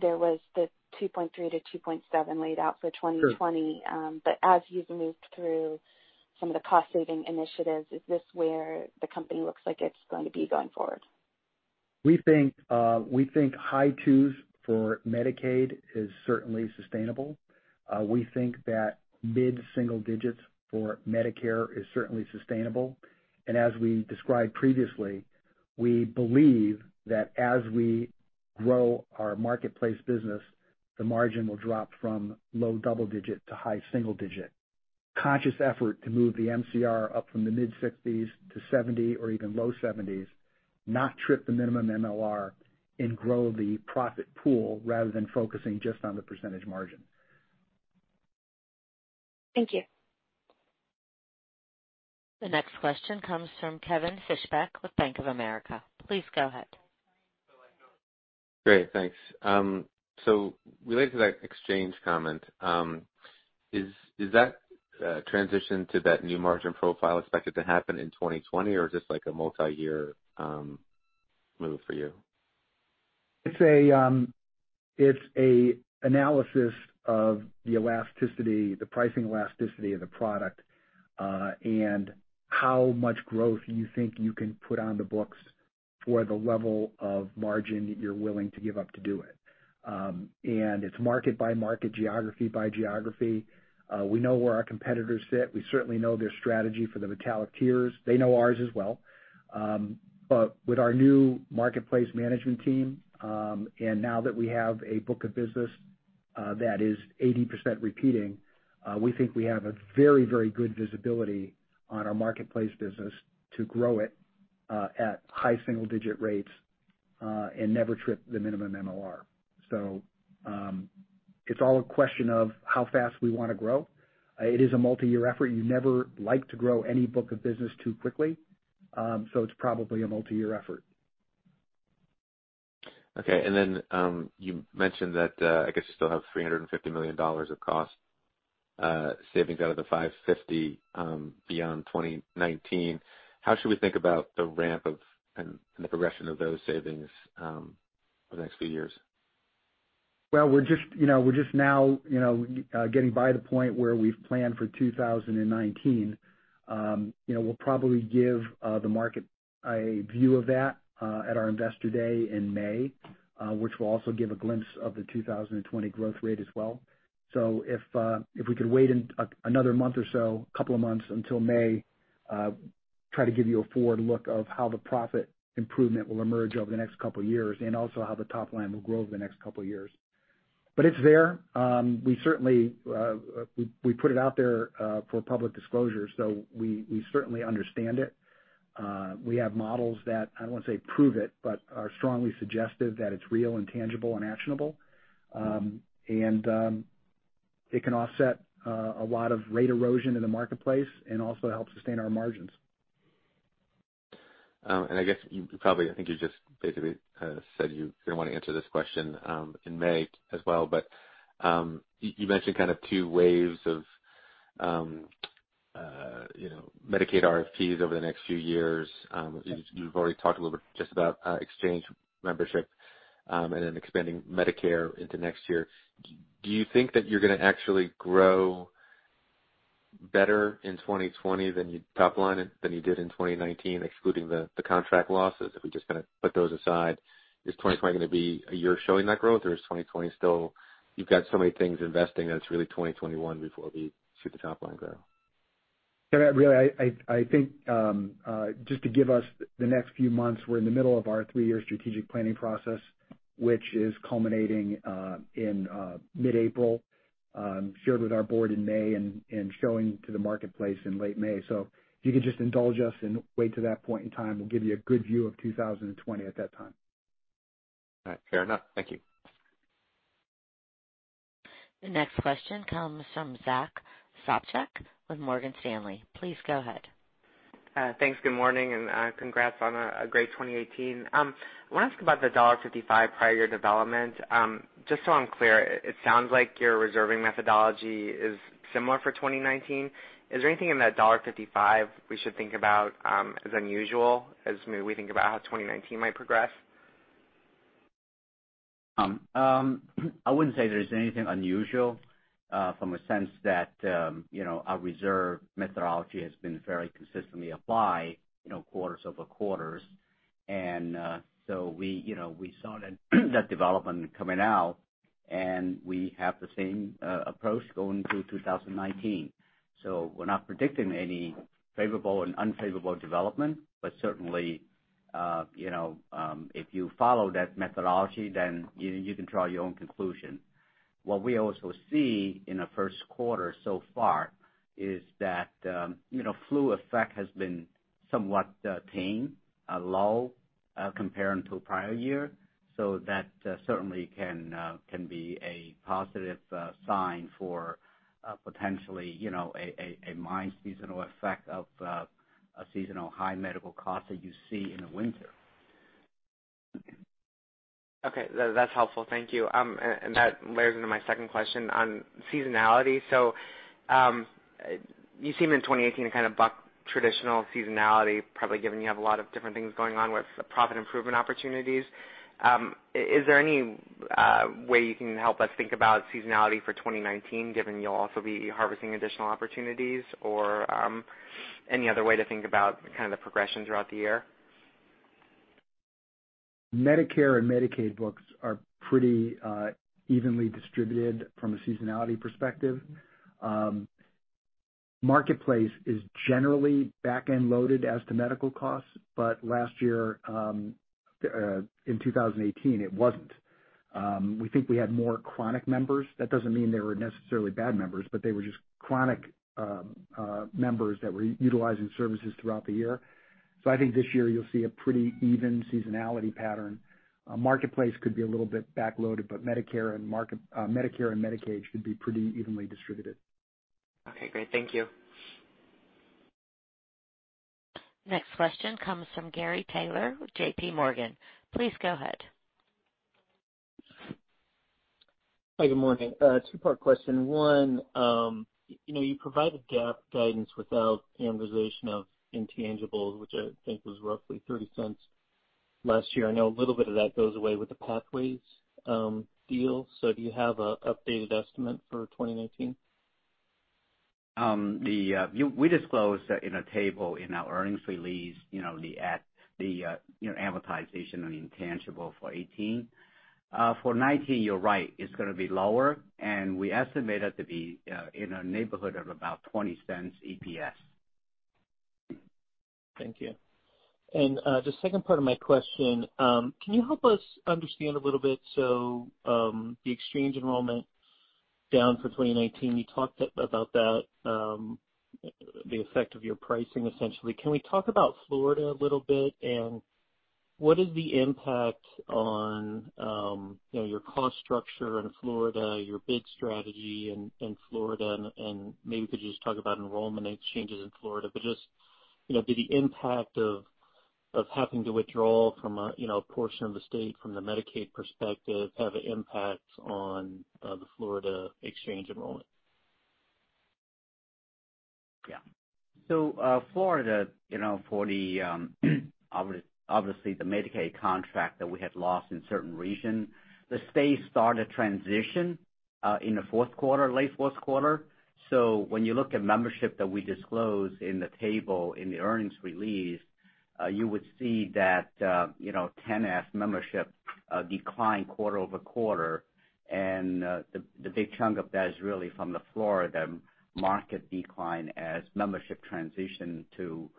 there was the 2.3%-2.7% laid out for 2020. Sure. As you've moved through some of the cost-saving initiatives, is this where the company looks like it's going to be going forward? We think high twos for Medicaid is certainly sustainable. We think that mid-single digits for Medicare is certainly sustainable. As we described previously, we believe that as we grow our Marketplace business, the margin will drop from low double digit to high single digit. Conscious effort to move the MCR up from the mid-60s% to 70% or even low 70s%, not trip the minimum MLR, and grow the profit pool rather than focusing just on the percentage margin. Thank you. The next question comes from Kevin Fischbeck with Bank of America. Please go ahead. Great. Thanks. Related to that exchange comment, is that transition to that new margin profile expected to happen in 2020 or just like a multi-year move for you? It's an analysis of the elasticity, the pricing elasticity of the product, and how much growth you think you can put on the books for the level of margin that you're willing to give up to do it. It's market by market, geography by geography. We know where our competitors sit. We certainly know their strategy for the metallic tiers. They know ours as well. With our new Marketplace management team, and now that we have a book of business that is 80% repeating, we think we have a very good visibility on our Marketplace business to grow it at high single-digit rates, and never trip the minimum MLR. It's all a question of how fast we want to grow. It is a multi-year effort. You never like to grow any book of business too quickly. It's probably a multi-year effort. Okay. You mentioned that, I guess you still have $350 million of cost savings out of the $550 million, beyond 2019. How should we think about the ramp and the progression of those savings over the next few years? Well, we're just now getting by the point where we've planned for 2019. We'll probably give the market a view of that at our Investor Day in May, which will also give a glimpse of the 2020 growth rate as well. If we could wait another month or so, couple of months until May, try to give you a forward look of how the profit improvement will emerge over the next couple of years, and also how the top line will grow over the next couple of years. It's there. We put it out there for public disclosure, so we certainly understand it. We have models that, I don't want to say prove it, but are strongly suggestive that it's real and tangible and actionable. It can offset a lot of rate erosion in the Marketplace and also help sustain our margins. I guess you probably, I think you just basically said you were going to want to answer this question in May as well. You mentioned kind of two waves of Medicaid RFPs over the next few years. You've already talked a little bit just about exchange membership, then expanding Medicare into next year. Do you think that you're going to actually grow better in 2020 top line, than you did in 2019, excluding the contract losses? If we just kind of put those aside, is 2020 going to be a year of showing that growth, or is 2020 still you've got so many things investing that it's really 2021 before we see the top line grow? Kevin, really, I think, just to give us the next few months, we're in the middle of our three-year strategic planning process, which is culminating in mid-April, shared with our board in May and showing to the Marketplace in late May. If you could just indulge us and wait to that point in time, we'll give you a good view of 2020 at that time. All right, fair enough. Thank you. The next question comes from Zack Sopcak with Morgan Stanley. Please go ahead. Thanks. Good morning, congrats on a great 2018. I want to ask about the $1.55 prior year development. Just so I'm clear, it sounds like your reserving methodology is similar for 2019. Is there anything in that $1.55 we should think about as unusual as maybe we think about how 2019 might progress? I wouldn't say there's anything unusual, from a sense that our reserve methodology has been very consistently applied quarters-over-quarters. We saw that development coming out, and we have the same approach going through 2019. We're not predicting any favorable or unfavorable development. Certainly, if you follow that methodology, you can draw your own conclusion. What we also see in the first quarter so far is that flu effect has been somewhat tame, low comparing to prior year. That certainly can be a positive sign for potentially, a mild seasonal effect of a seasonal high medical cost that you see in the winter. Okay. That's helpful. Thank you. That layers into my second question on seasonality. You seem, in 2018, to kind of buck traditional seasonality, probably given you have a lot of different things going on with profit improvement opportunities. Is there any way you can help us think about seasonality for 2019, given you'll also be harvesting additional opportunities? Any other way to think about kind of the progression throughout the year? Medicare and Medicaid books are pretty evenly distributed from a seasonality perspective. Marketplace is generally back-end loaded as to medical costs, but last year, in 2018, it wasn't. We think we had more chronic members. That doesn't mean they were necessarily bad members, but they were just chronic members that were utilizing services throughout the year. I think this year you'll see a pretty even seasonality pattern. Marketplace could be a little bit back-loaded, but Medicare and Medicaid should be pretty evenly distributed. Okay, great. Thank you. Next question comes from Gary Taylor, JPMorgan. Please go ahead. Hi, good morning. Two-part question. One, you provided GAAP guidance without amortization of intangibles, which I think was roughly $0.30 last year. I know a little bit of that goes away with the Pathways deal. Do you have an updated estimate for 2019? We disclosed in a table in our earnings release, the amortization on intangible for 2018. For 2019, you're right. It's going to be lower, and we estimate it to be in the neighborhood of about $0.20 EPS. Thank you. The second part of my question, can you help us understand a little bit? The exchange enrollment down for 2019, you talked about that, the effect of your pricing, essentially. Can we talk about Florida a little bit, and what is the impact on your cost structure in Florida, your bid strategy in Florida, and maybe could you just talk about enrollment exchanges in Florida? Did the impact of having to withdraw from a portion of the state from the Medicaid perspective have an impact on the Florida exchange enrollment? Yeah. Florida, for the, obviously, the Medicaid contract that we had lost in certain regions, the state started transition in the fourth quarter, late fourth quarter. When you look at membership that we disclose in the table in the earnings release, you would see that TANF membership declined quarter-over-quarter. The big chunk of that is really from the Florida market decline as membership transitioned to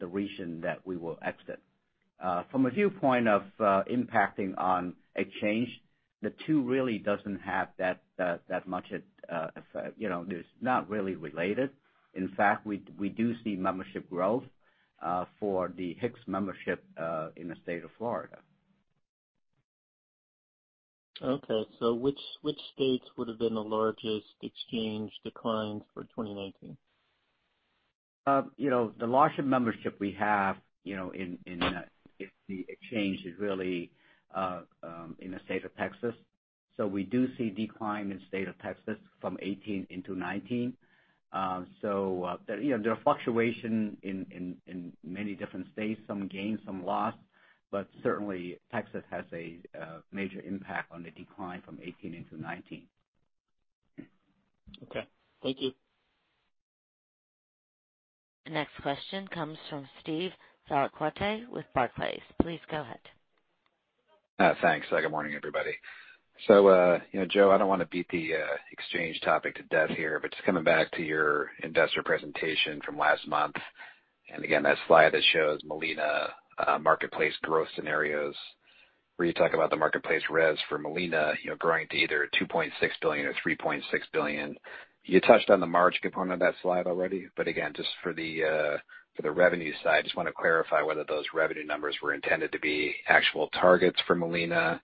the region that we will exit. From a viewpoint of impacting on exchange, the two really doesn't have that much effect. They're not really related. In fact, we do see membership growth for the HIX membership in the state of Florida. Okay. Which states would have been the largest exchange declines for 2019? The loss of membership we have in the Marketplace is really in the state of Texas. We do see decline in state of Texas from 2018 into 2019. There are fluctuations in many different states, some gains, some loss, but certainly Texas has a major impact on the decline from 2018 into 2019. Okay. Thank you. Next question comes from Steve Valiquette with Barclays. Please go ahead. Thanks. Good morning, everybody. Joe, I don't want to beat the Marketplace topic to death here, but just coming back to your investor presentation from last month, and again, that slide that shows Molina Marketplace growth scenarios, where you talk about the Marketplace revenue for Molina growing to either $2.6 billion or $3.6 billion. You touched on the margin component of that slide already, but again, just for the revenue side, just want to clarify whether those revenue numbers were intended to be actual targets for Molina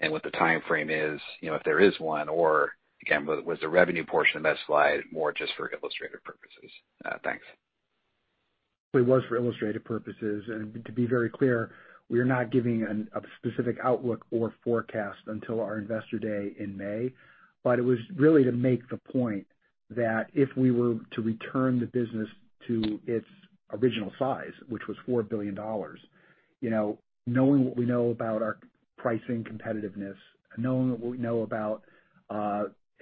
and what the timeframe is, if there is one, or, again, was the revenue portion of that slide more just for illustrative purposes? Thanks. It was for illustrative purposes. To be very clear, we are not giving a specific outlook or forecast until our Investor Day in May. It was really to make the point that if we were to return the business to its original size, which was $4 billion, knowing what we know about our pricing competitiveness, knowing what we know about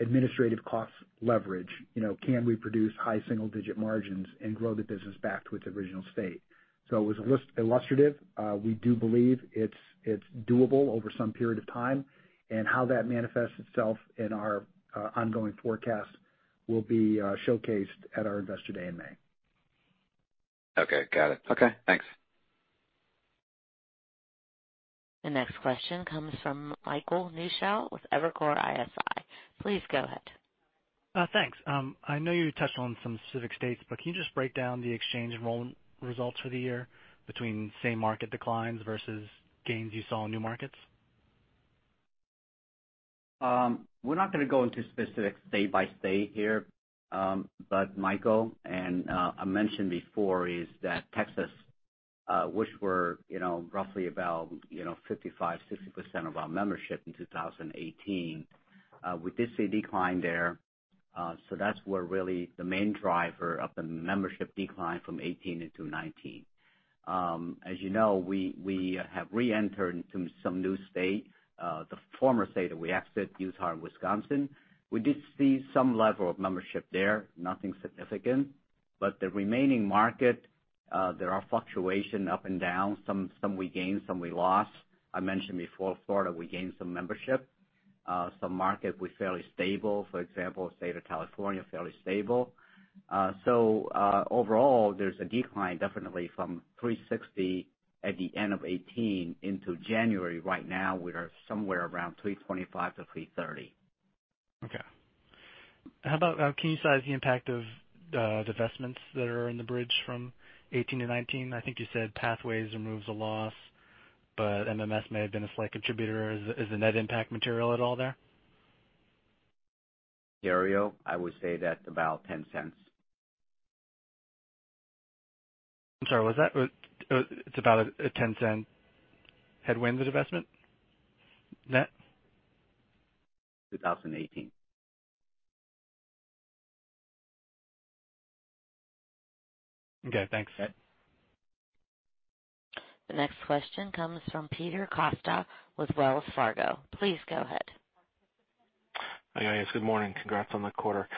administrative cost leverage, can we produce high single-digit margins and grow the business back to its original state? It was illustrative. We do believe it's doable over some period of time, and how that manifests itself in our ongoing forecast will be showcased at our Investor Day in May. Okay, got it. Okay, thanks. The next question comes from Michael Newshel with Evercore ISI. Please go ahead. Thanks. I know you touched on some specific states, can you just break down the exchange enrollment results for the year between same market declines versus gains you saw in new markets? We're not going to go into specifics state by state here. Michael, and I mentioned before, is that Texas, which were roughly about 55%, 60% of our membership in 2018, we did see a decline there. That's where really the main driver of the membership declined from 2018 into 2019. As you know, we have reentered into some new state, the former state that we exit, Utah and Wisconsin. We did see some level of membership there, nothing significant. The remaining market, there are fluctuation up and down. Some we gained, some we lost. I mentioned before, Florida, we gained some membership. Some market were fairly stable. For example, state of California, fairly stable. Overall, there's a decline definitely from 360 at the end of 2018 into January. Right now, we are somewhere around 325-330. Okay. How about, can you size the impact of divestments that are in the bridge from 2018 to 2019? I think you said Pathways removes a loss, but MMS may have been a slight contributor. Is the net impact material at all there? [inaudible] I would say that's about $0.10. I'm sorry, what's that? It's about a $0.10 headwind, the divestment? Net? 2018. Okay, thanks. Yep. The next question comes from Peter Costa with Wells Fargo. Please go ahead. Hi, guys. Good morning. Congrats on the quarter.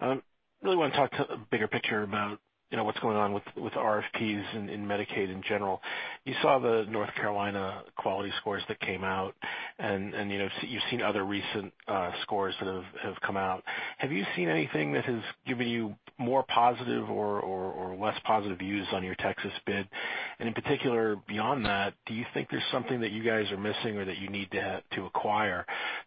Really want to talk bigger picture about what's going on with RFPs in Medicaid in general. You saw the North Carolina quality scores that came out, and you've seen other recent scores that have come out. Have you seen anything that has given you more positive or less positive views on your Texas bid? In particular, beyond that, do you think there's something that you guys are missing or that you need to acquire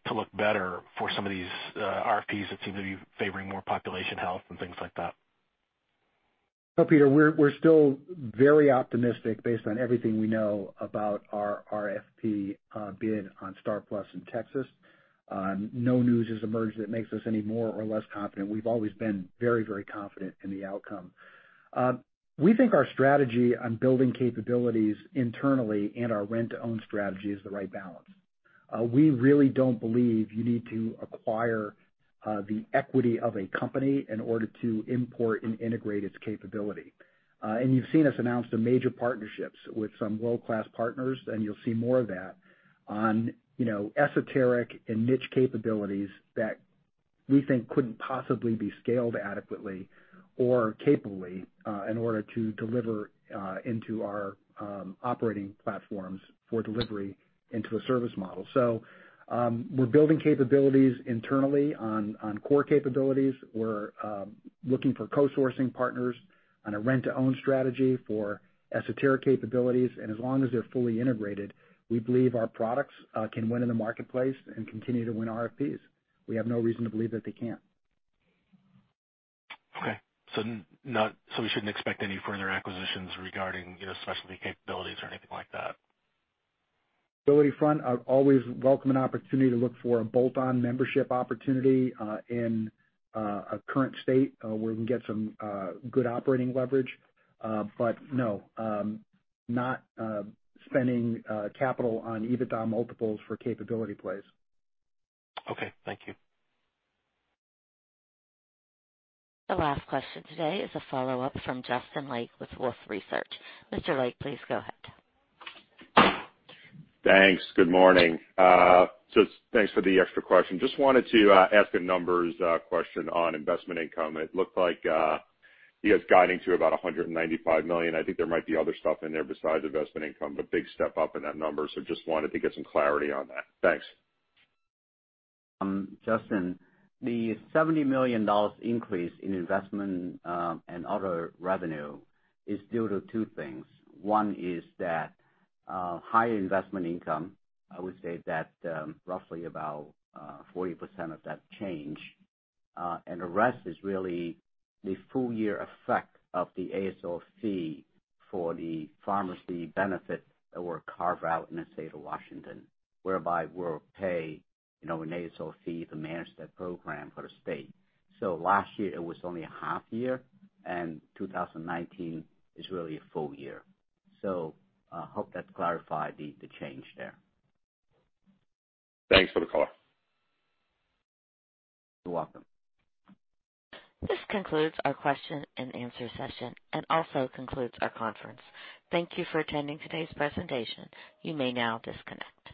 to look better for some of these RFPs that seem to be favoring more population health and things like that? Peter, we're still very optimistic based on everything we know about our RFP bid on STAR+PLUS in Texas. No news has emerged that makes us any more or less confident. We've always been very confident in the outcome. We think our strategy on building capabilities internally and our rent-to-own strategy is the right balance. We really don't believe you need to acquire the equity of a company in order to import and integrate its capability. You've seen us announce the major partnerships with some world-class partners, and you'll see more of that on esoteric and niche capabilities that we think couldn't possibly be scaled adequately or capably in order to deliver into our operating platforms for delivery into a service model. We're building capabilities internally on core capabilities. We're looking for co-sourcing partners on a rent-to-own strategy for esoteric capabilities. As long as they're fully integrated, we believe our products can win in the marketplace and continue to win RFPs. We have no reason to believe that they can't. Okay. We shouldn't expect any further acquisitions regarding specialty capabilities or anything like that? Ability front, I always welcome an opportunity to look for a bolt-on membership opportunity in a current state where we can get some good operating leverage. No, not spending capital on EBITDA multiples for capability plays. Okay, thank you. The last question today is a follow-up from Justin Lake with Wolfe Research. Mr. Lake, please go ahead. Thanks. Good morning. Thanks for the extra question. Just wanted to ask a numbers question on investment income. It looked like you guys guiding to about $195 million. I think there might be other stuff in there besides investment income, big step up in that number, just wanted to get some clarity on that. Thanks. Justin, the $70 million increase in investment and other revenue is due to two things. One is that higher investment income, I would say that roughly about 40% of that change. The rest is really the full year effect of the ASOC for the pharmacy benefit that were carved out in the state of Washington, whereby we'll pay an ASOC to manage that program for the state. Last year, it was only a half year, 2019 is really a full year. I hope that clarified the change there. Thanks for the color. You're welcome. This concludes our question-and-answer session and also concludes our conference. Thank you for attending today's presentation. You may now disconnect.